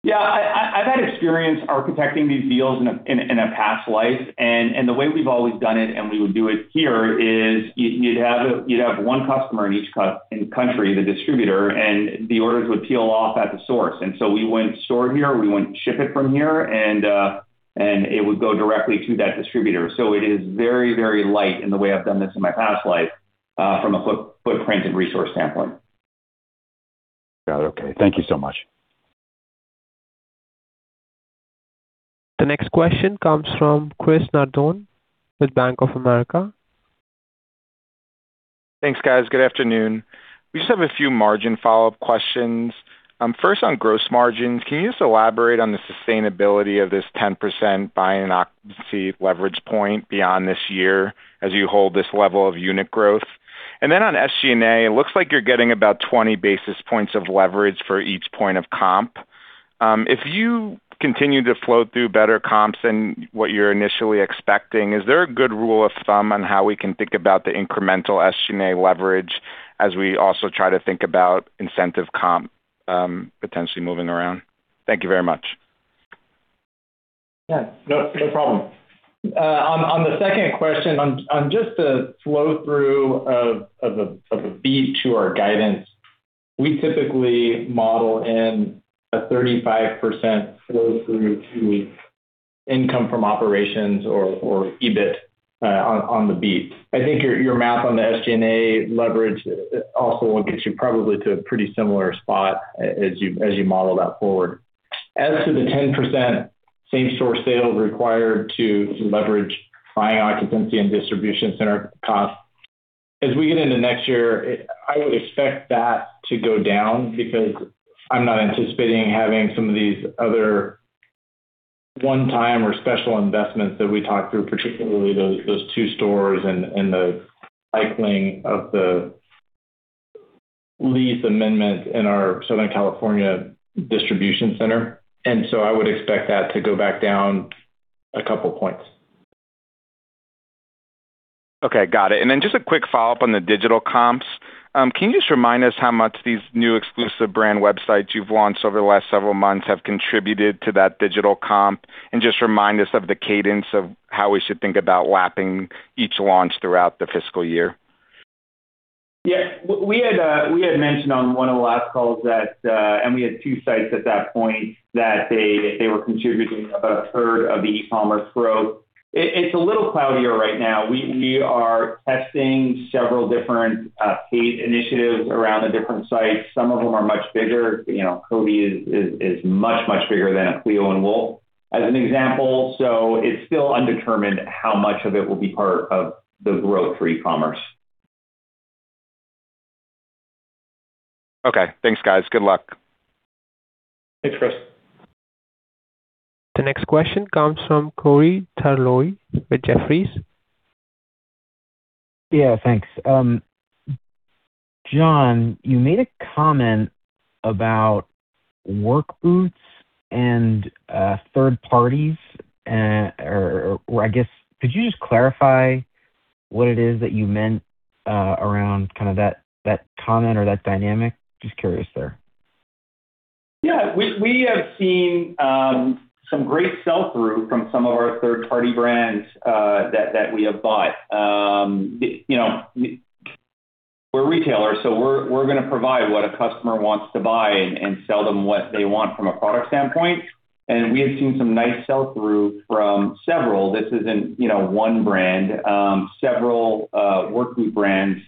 Yeah. I've had experience architecting these deals in a past life. The way we've always done it, and we would do it here, is you'd have one customer in each country, the distributor. The orders would peel off at the source. We wouldn't store here, we wouldn't ship it from here, and it would go directly to that distributor. It is very light in the way I've done this in my past life, from a footprint and resource standpoint. Got it. Okay. Thank you so much. The next question comes from Chris Nardone with Bank of America. Thanks, guys. Good afternoon. We just have a few margin follow-up questions. First on gross margins, can you just elaborate on the sustainability of this 10% buying occupancy leverage point beyond this year as you hold this level of unit growth? On SG&A, it looks like you're getting about 20 Bps of leverage for each 1 point of comp. If you continue to flow through better comps than what you're initially expecting, is there a good rule of thumb on how we can think about the incremental SG&A leverage as we also try to think about incentive comp potentially moving around? Thank you very much. Yeah. No, no problem. On the second question, on just the flow-through of a beat to our guidance, we typically model in a 35% flow-through to income from operations or EBIT on the beat. I think your math on the SG&A leverage also will get you probably to a pretty similar spot as you model that forward. As to the 10% same-store sales required to leverage buying occupancy and distribution center costs, as we get into next year, I would expect that to go down because I'm not anticipating having some of these other one-time or special investments that we talked through, particularly those 2 stores and the cycling of the lease amendment in our Southern California distribution center. So I would expect that to go back down a couple points. Okay. Got it. Just a quick follow-up on the digital comps. Can you just remind us how much these new exclusive brand websites you've launched over the last several months have contributed to that digital comp? Just remind us of the cadence of how we should think about lapping each launch throughout the fiscal year. We had mentioned on one of the last calls that, and we had two sites at that point, that they were contributing about a third of the e-commerce growth. It's a little cloudier right now. We are testing several different paid initiatives around the different sites. Some of them are much bigger. You know, Cody James is much, much bigger than Cleo & Wolf as an example. It's still undetermined how much of it will be part of the growth for e-commerce. Okay. Thanks, guys. Good luck. Thanks, Chris. The next question comes from Corey Tarlowe with Jefferies. Yeah, thanks. John, you made a comment about work boots and third parties, or I guess could you just clarify what it is that you meant around kind of that comment or that dynamic? Just curious there. Yeah. We have seen some great sell-through from some of our third party brands that we have bought. You know, we're retailers, so we're gonna provide what a customer wants to buy and sell them what they want from a product standpoint. We have seen some nice sell-through from several. This isn't, you know, one brand. Several work boot brands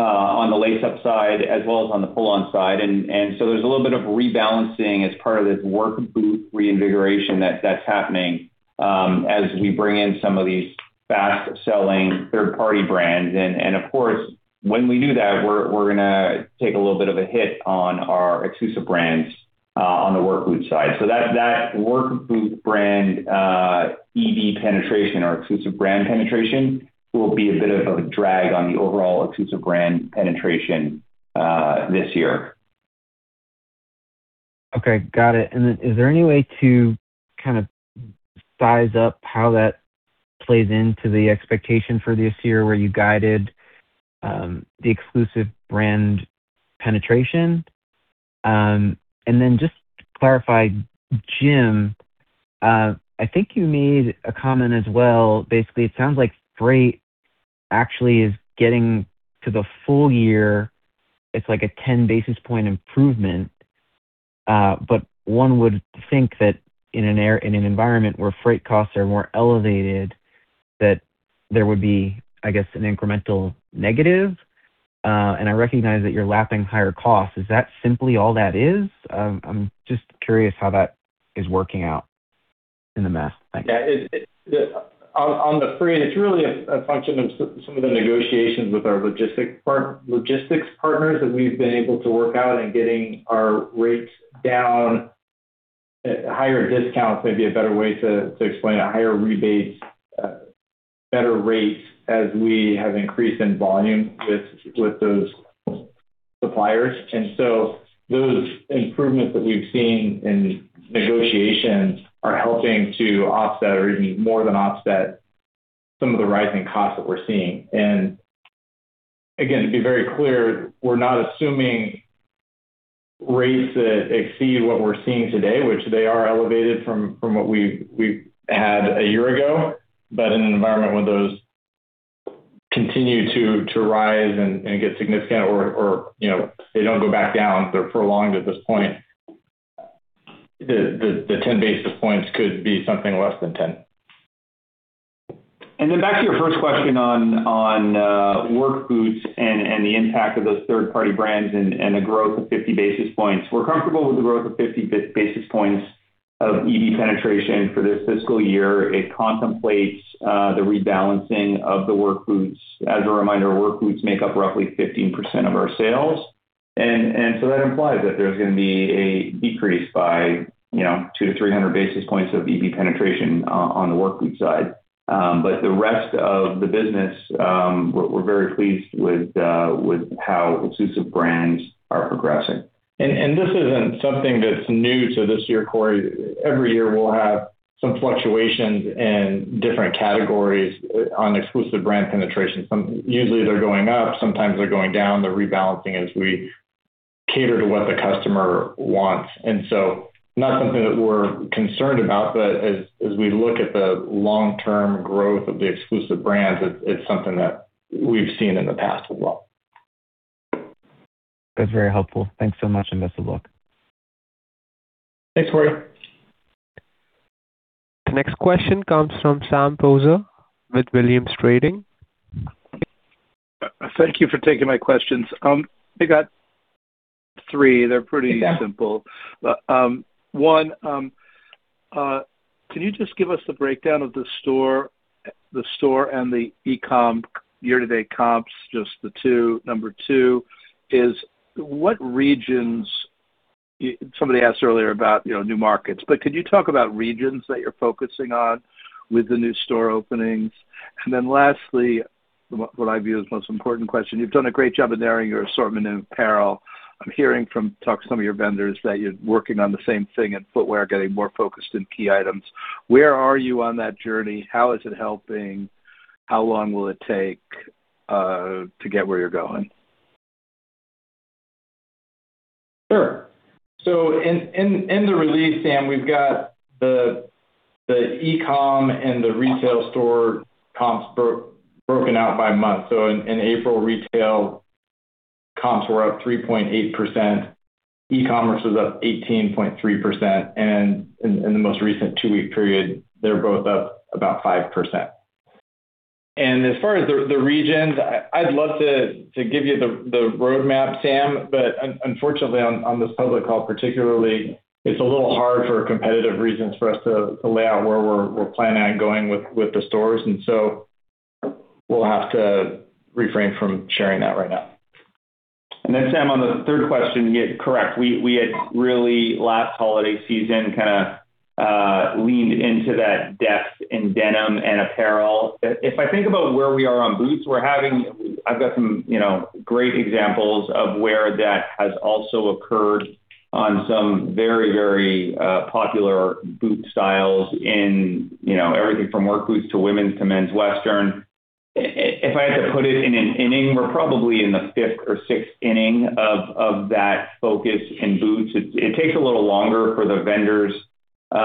on the lace-up side as well as on the pull-on side. There's a little bit of rebalancing as part of this work boot reinvigoration that's happening as we bring in some of these fast-selling third-party brands. Of course, when we do that, we're gonna take a little bit of a hit on our exclusive brands on the work boot side. That work boot brand, EB penetration or Exclusive Brands penetration will be a bit of a drag on the overall Exclusive Brands penetration this year. Okay. Got it. Is there any way to kind of size up how that plays into the expectation for this year where you guided, the Exclusive Brands penetration? Just to clarify, Jim, I think you made a comment as well. Basically, it sounds like freight actually is getting to the full year. It's like a 10 basis point improvement. One would think that in an environment where freight costs are more elevated, that there would be, I guess, an incremental negative. I recognize that you're lapping higher costs. Is that simply all that is? I'm just curious how that is working out in the math. Thank you. Yeah. On the freight, it's really a function of some of the negotiations with our logistics partners that we've been able to work out in getting our rates down. Higher discounts may be a better way to explain. A higher rebates, better rates as we have increased in volume with those suppliers. Those improvements that we've seen in negotiations are helping to offset or even more than offset some of the rising costs that we're seeing. Again, to be very clear, we're not assuming rates that exceed what we're seeing today, which they are elevated from what we had a year ago. In an environment where those continue to rise and get significant or, you know, they don't go back down, they're prolonged at this point, the 10 Bps could be something less than 10. Back to your first question on work boots and the impact of those third party brands and the growth of 50 Bps. We're comfortable with the growth of 50 Bps of EB penetration for this fiscal year. It contemplates the rebalancing of the work boots. As a reminder, work boots make up roughly 15% of our sales. That implies that there's gonna be a decrease by, you know, 200-300 Bps of EB penetration on the work boot side. But the rest of the business, we're very pleased with how Exclusive Brands are progressing. This isn't something that's new to this year, Corey. Every year we'll have some fluctuations in different categories on Exclusive Brand penetration. Usually they're going up, sometimes they're going down. They're rebalancing as we cater to what the customer wants. Not something that we're concerned about, but as we look at the long-term growth of the Exclusive Brands, it's something that we've seen in the past as well. That's very helpful. Thanks so much, and best of luck. Thanks, Corey. The next question comes from Sam Poser with Williams Trading. Thank you for taking my questions. I got three. They're pretty simple. Yeah. 1, can you just give us the breakdown of the store and the e-comm year-to-date comps, just the 2. Number 2 is what regions somebody asked earlier about, you know, new markets. Could you talk about regions that you're focusing on with the new store openings? Lastly, what I view as the most important question, you've done a great job of narrowing your assortment in apparel. I'm hearing from talk to some of your vendors that you're working on the same thing in footwear, getting more focused in key items. Where are you on that journey? How is it helping? How long will it take to get where you're going? In the release, Sam, we've got the e-comm and the retail store comps broken out by month. In April, retail comps were up 3.8%, e-commerce was up 18.3%, and in the most recent 2-week period, they're both up about 5%. As far as the regions, I'd love to give you the roadmap, Sam, but unfortunately, on this public call particularly, it's a little hard for competitive reasons for us to lay out where we're planning on going with the stores. We'll have to refrain from sharing that right now. Then Sam, on the third question, yeah, correct. We had really last holiday season kinda leaned into that depth in denim and apparel. If I think about where we are on boots, I've got some, you know, great examples of where that has also occurred on some very, very popular boot styles in, you know, everything from work boots to women's to men's western. If I had to put it in an inning, we're probably in the fifth or sixth inning of that focus in boots. It takes a little longer for the vendors or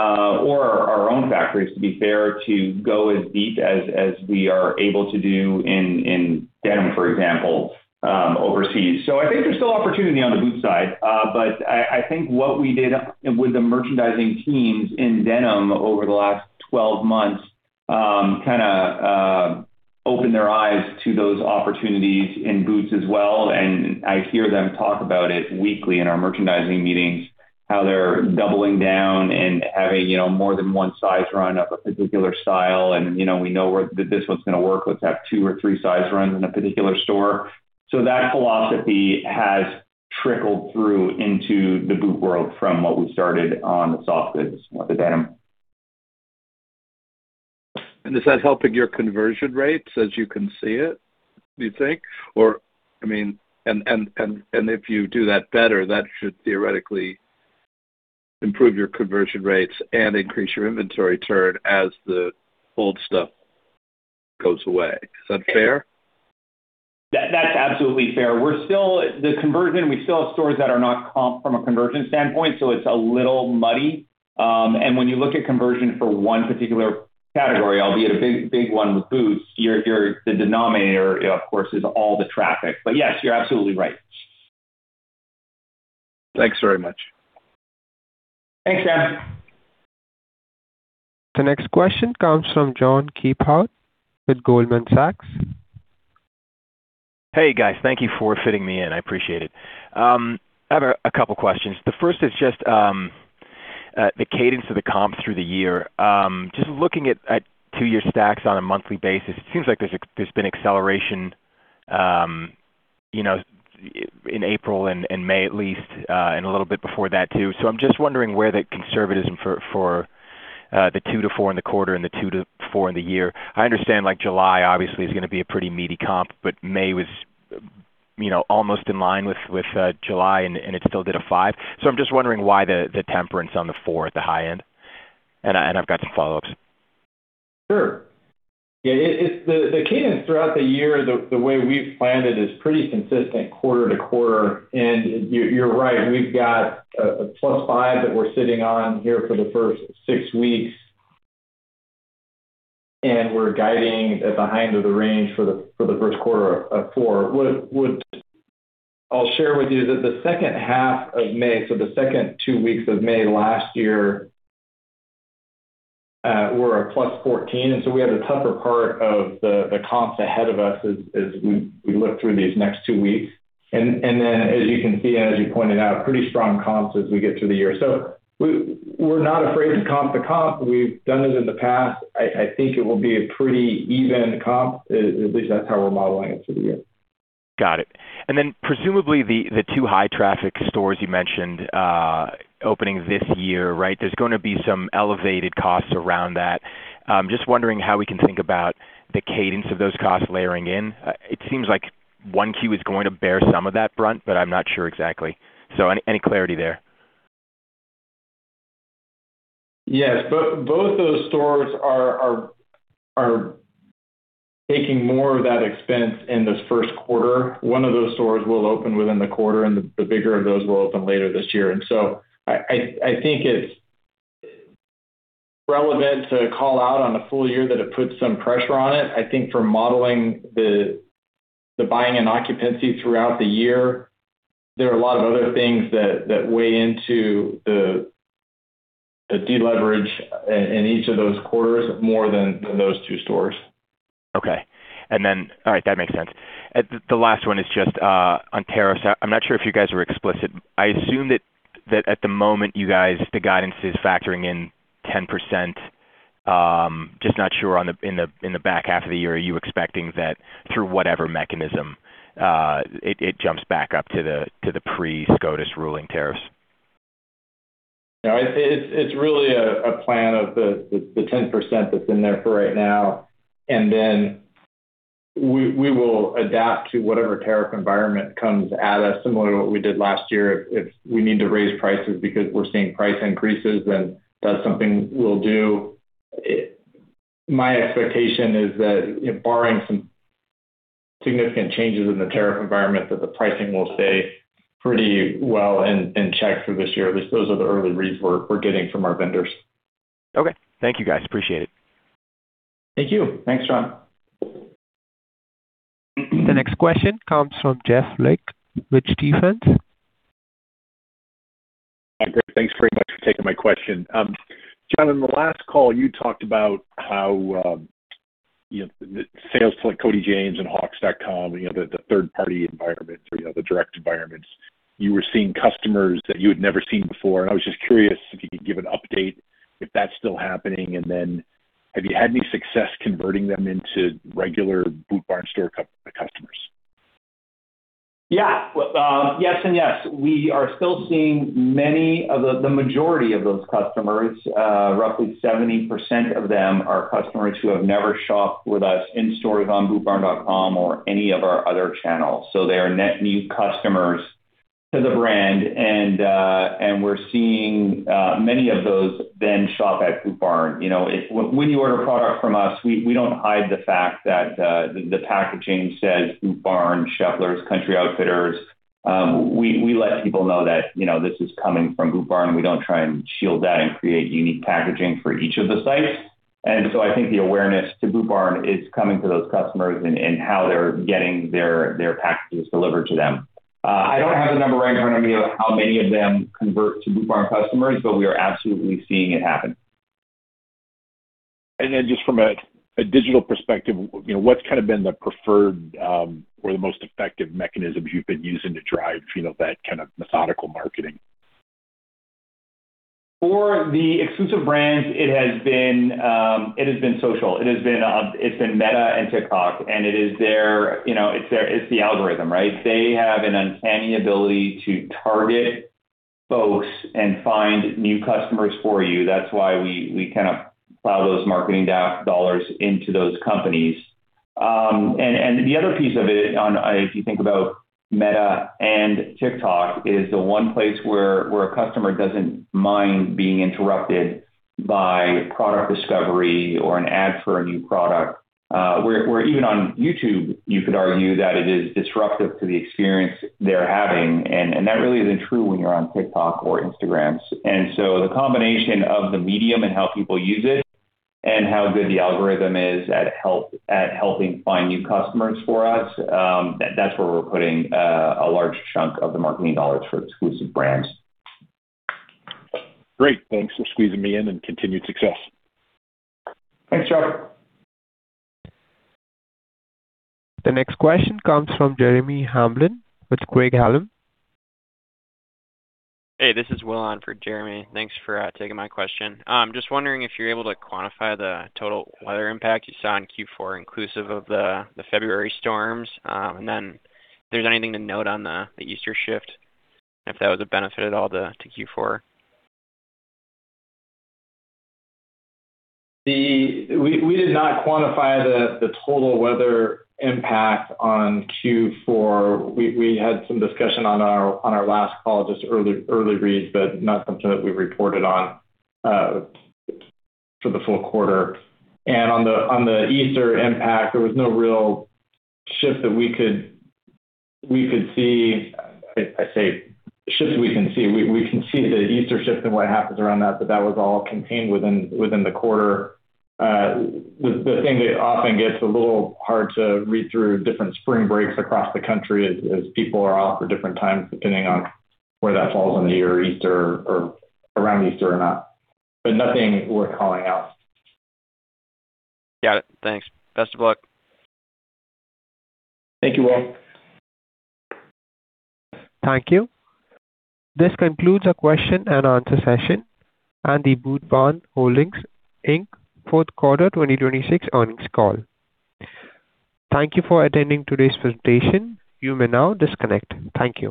our own factories, to be fair, to go as deep as we are able to do in denim, for example, overseas. I think there's still opportunity on the boot side. I think what we did with the merchandising teams in denim over the last 12 months, kinda opened their eyes to those opportunities in boots as well. I hear them talk about it weekly in our merchandising meetings, how they're doubling down and having, you know, more than 1 size run of a particular style. You know, we know that this one's gonna work. Let's have 2 or 3 size runs in a particular store. That philosophy has trickled through into the boot world from what we started on the soft goods with the denim. Is that helping your conversion rates as you can see it, do you think? Or I mean And if you do that better, that should theoretically improve your conversion rates and increase your inventory turn as the old stuff goes away. Is that fair? That's absolutely fair. We still have stores that are not comp from a conversion standpoint, so it's a little muddy. When you look at conversion for one particular category, albeit a big one with boots, the denominator, of course, is all the traffic. Yes, you're absolutely right. Thanks very much. Thanks, Sam. The next question comes from John Keypour with Goldman Sachs. Hey, guys. Thank you for fitting me in. I appreciate it. I have a couple questions. The first is just the cadence of the comps through the year. Just looking at 2-year stacks on a monthly basis, it seems like there's been acceleration, you know, in April and May at least, and a little bit before that too. I'm just wondering where the conservatism for the 2%-4% in the quarter and the 2%-4% in the year. I understand like July obviously is gonna be a pretty meaty comp, May was, you know, almost in line with July and it still did a 5%. I'm just wondering why the temperance on the 4% at the high end. I've got some follow-ups. Sure. The cadence throughout the year, the way we've planned it is pretty consistent quarter to quarter. You're right, we've got a +5% that we're sitting on here for the 1st 6 weeks, and we're guiding the behind of the range for the 1st quarter of 4%. I'll share with you that the 2nd half of May, so the 2nd 2 weeks of May last year, were a +14%, we have the tougher part of the comps ahead of us as we look through these next 2 weeks. Then as you can see, and as you pointed out, pretty strong comps as we get through the year. We're not afraid to comp the comp. We've done it in the past. I think it will be a pretty even comp, at least that's how we're modeling it for the year. Got it. Presumably the two high traffic stores you mentioned, opening this year, right? There's gonna be some elevated costs around that. Just wondering how we can think about the cadence of those costs layering in. It seems like 1 Q is going to bear some of that brunt, but I'm not sure exactly. Any clarity there? Yes. Both those stores are taking more of that expense in this Q1. One of those stores will open within the quarter, and the bigger of those will open later this year. I think it's relevant to call out on a full year that it puts some pressure on it. I think for modeling the buying and occupancy throughout the year, there are a lot of other things that weigh into the deleverage in each of those quarters more than those two stores. Okay. All right, that makes sense. The last one is just on tariffs. I'm not sure if you guys were explicit. I assume that at the moment you guys, the guidance is factoring in 10%. Just not sure on the in the back half of the year, are you expecting that through whatever mechanism, it jumps back up to the pre-SCOTUS ruling tariffs? No, it's really a plan of the 10% that's in there for right now. Then we will adapt to whatever tariff environment comes at us, similar to what we did last year. If we need to raise prices because we're seeing price increases, then that's something we'll do. My expectation is that, you know, barring some significant changes in the tariff environment, that the pricing will stay pretty well in check for this year. At least those are the early reads we're getting from our vendors. Okay. Thank you, guys. Appreciate it. Thank you. Thanks, John. The next question comes from Jeff Lick with Stephens. Hi, great. Thanks very much for taking my question. John, on the last call, you talked about how, you know, the sales to like Cody James and hawx.com, you know, the third-party environment or, you know, the direct environments. You were seeing customers that you had never seen before, and I was just curious if you could give an update if that's still happening. Have you had any success converting them into regular Boot Barn store customers? Yeah. Well, yes and yes. We are still seeing many of the majority of those customers, roughly 70% of them are customers who have never shopped with us in stores, on bootbarn.com or any of our other channels. They are net new customers to the brand, and we're seeing many of those then shop at Boot Barn. You know, when you order a product from us, we don't hide the fact that the packaging says Boot Barn, Sheplers, Country Outfitters. We let people know that, you know, this is coming from Boot Barn. We don't try and shield that and create unique packaging for each of the sites. I think the awareness to Boot Barn is coming to those customers in how they're getting their packages delivered to them. I don't have the number right in front of me of how many of them convert to Boot Barn customers, but we are absolutely seeing it happen. Just from a digital perspective, you know, what's kind of been the preferred or the most effective mechanisms you've been using to drive, you know, that kind of methodical marketing? For the exclusive brands, it has been social. It has been Meta and TikTok, and it is their, you know, it's the algorithm, right? They have an uncanny ability to target folks and find new customers for you. That's why we kind of plow those marketing dollars into those companies. And the other piece of it if you think about Meta and TikTok is the one place where a customer doesn't mind being interrupted by product discovery or an ad for a new product. Where even on YouTube, you could argue that it is disruptive to the experience they're having, and that really isn't true when you're on TikTok or Instagram. The combination of the medium and how people use it and how good the algorithm is at helping find new customers for us, that's where we're putting a large chunk of the marketing dollars for Exclusive Brands. Great. Thanks for squeezing me in, and continued success. Thanks, Jeff. The next question comes from Jeremy Hamblin with Craig-Hallum. Hey, this is Will on for Jeremy. Thanks for taking my question. Just wondering if you're able to quantify the total weather impact you saw in Q4 inclusive of the February storms. If there's anything to note on the Easter shift, and if that was a benefit at all to Q4. We did not quantify the total weather impact on Q4. We had some discussion on our last call, just early reads, but not something that we reported on for the full quarter. On the Easter impact, there was no real shift that we could see. I say shifts we can see. We can see the Easter shift and what happens around that, but that was all contained within the quarter. The thing that often gets a little hard to read through different spring breaks across the country as people are off for different times, depending on where that falls in the year, Easter or around Easter or not. Nothing worth calling out. Got it. Thanks. Best of luck. Thank you, Will. Thank you. This concludes our question and answer session and the Boot Barn Holdings Inc. Q4 2026 earnings call. Thank you for attending today's presentation. You may now disconnect. Thank you.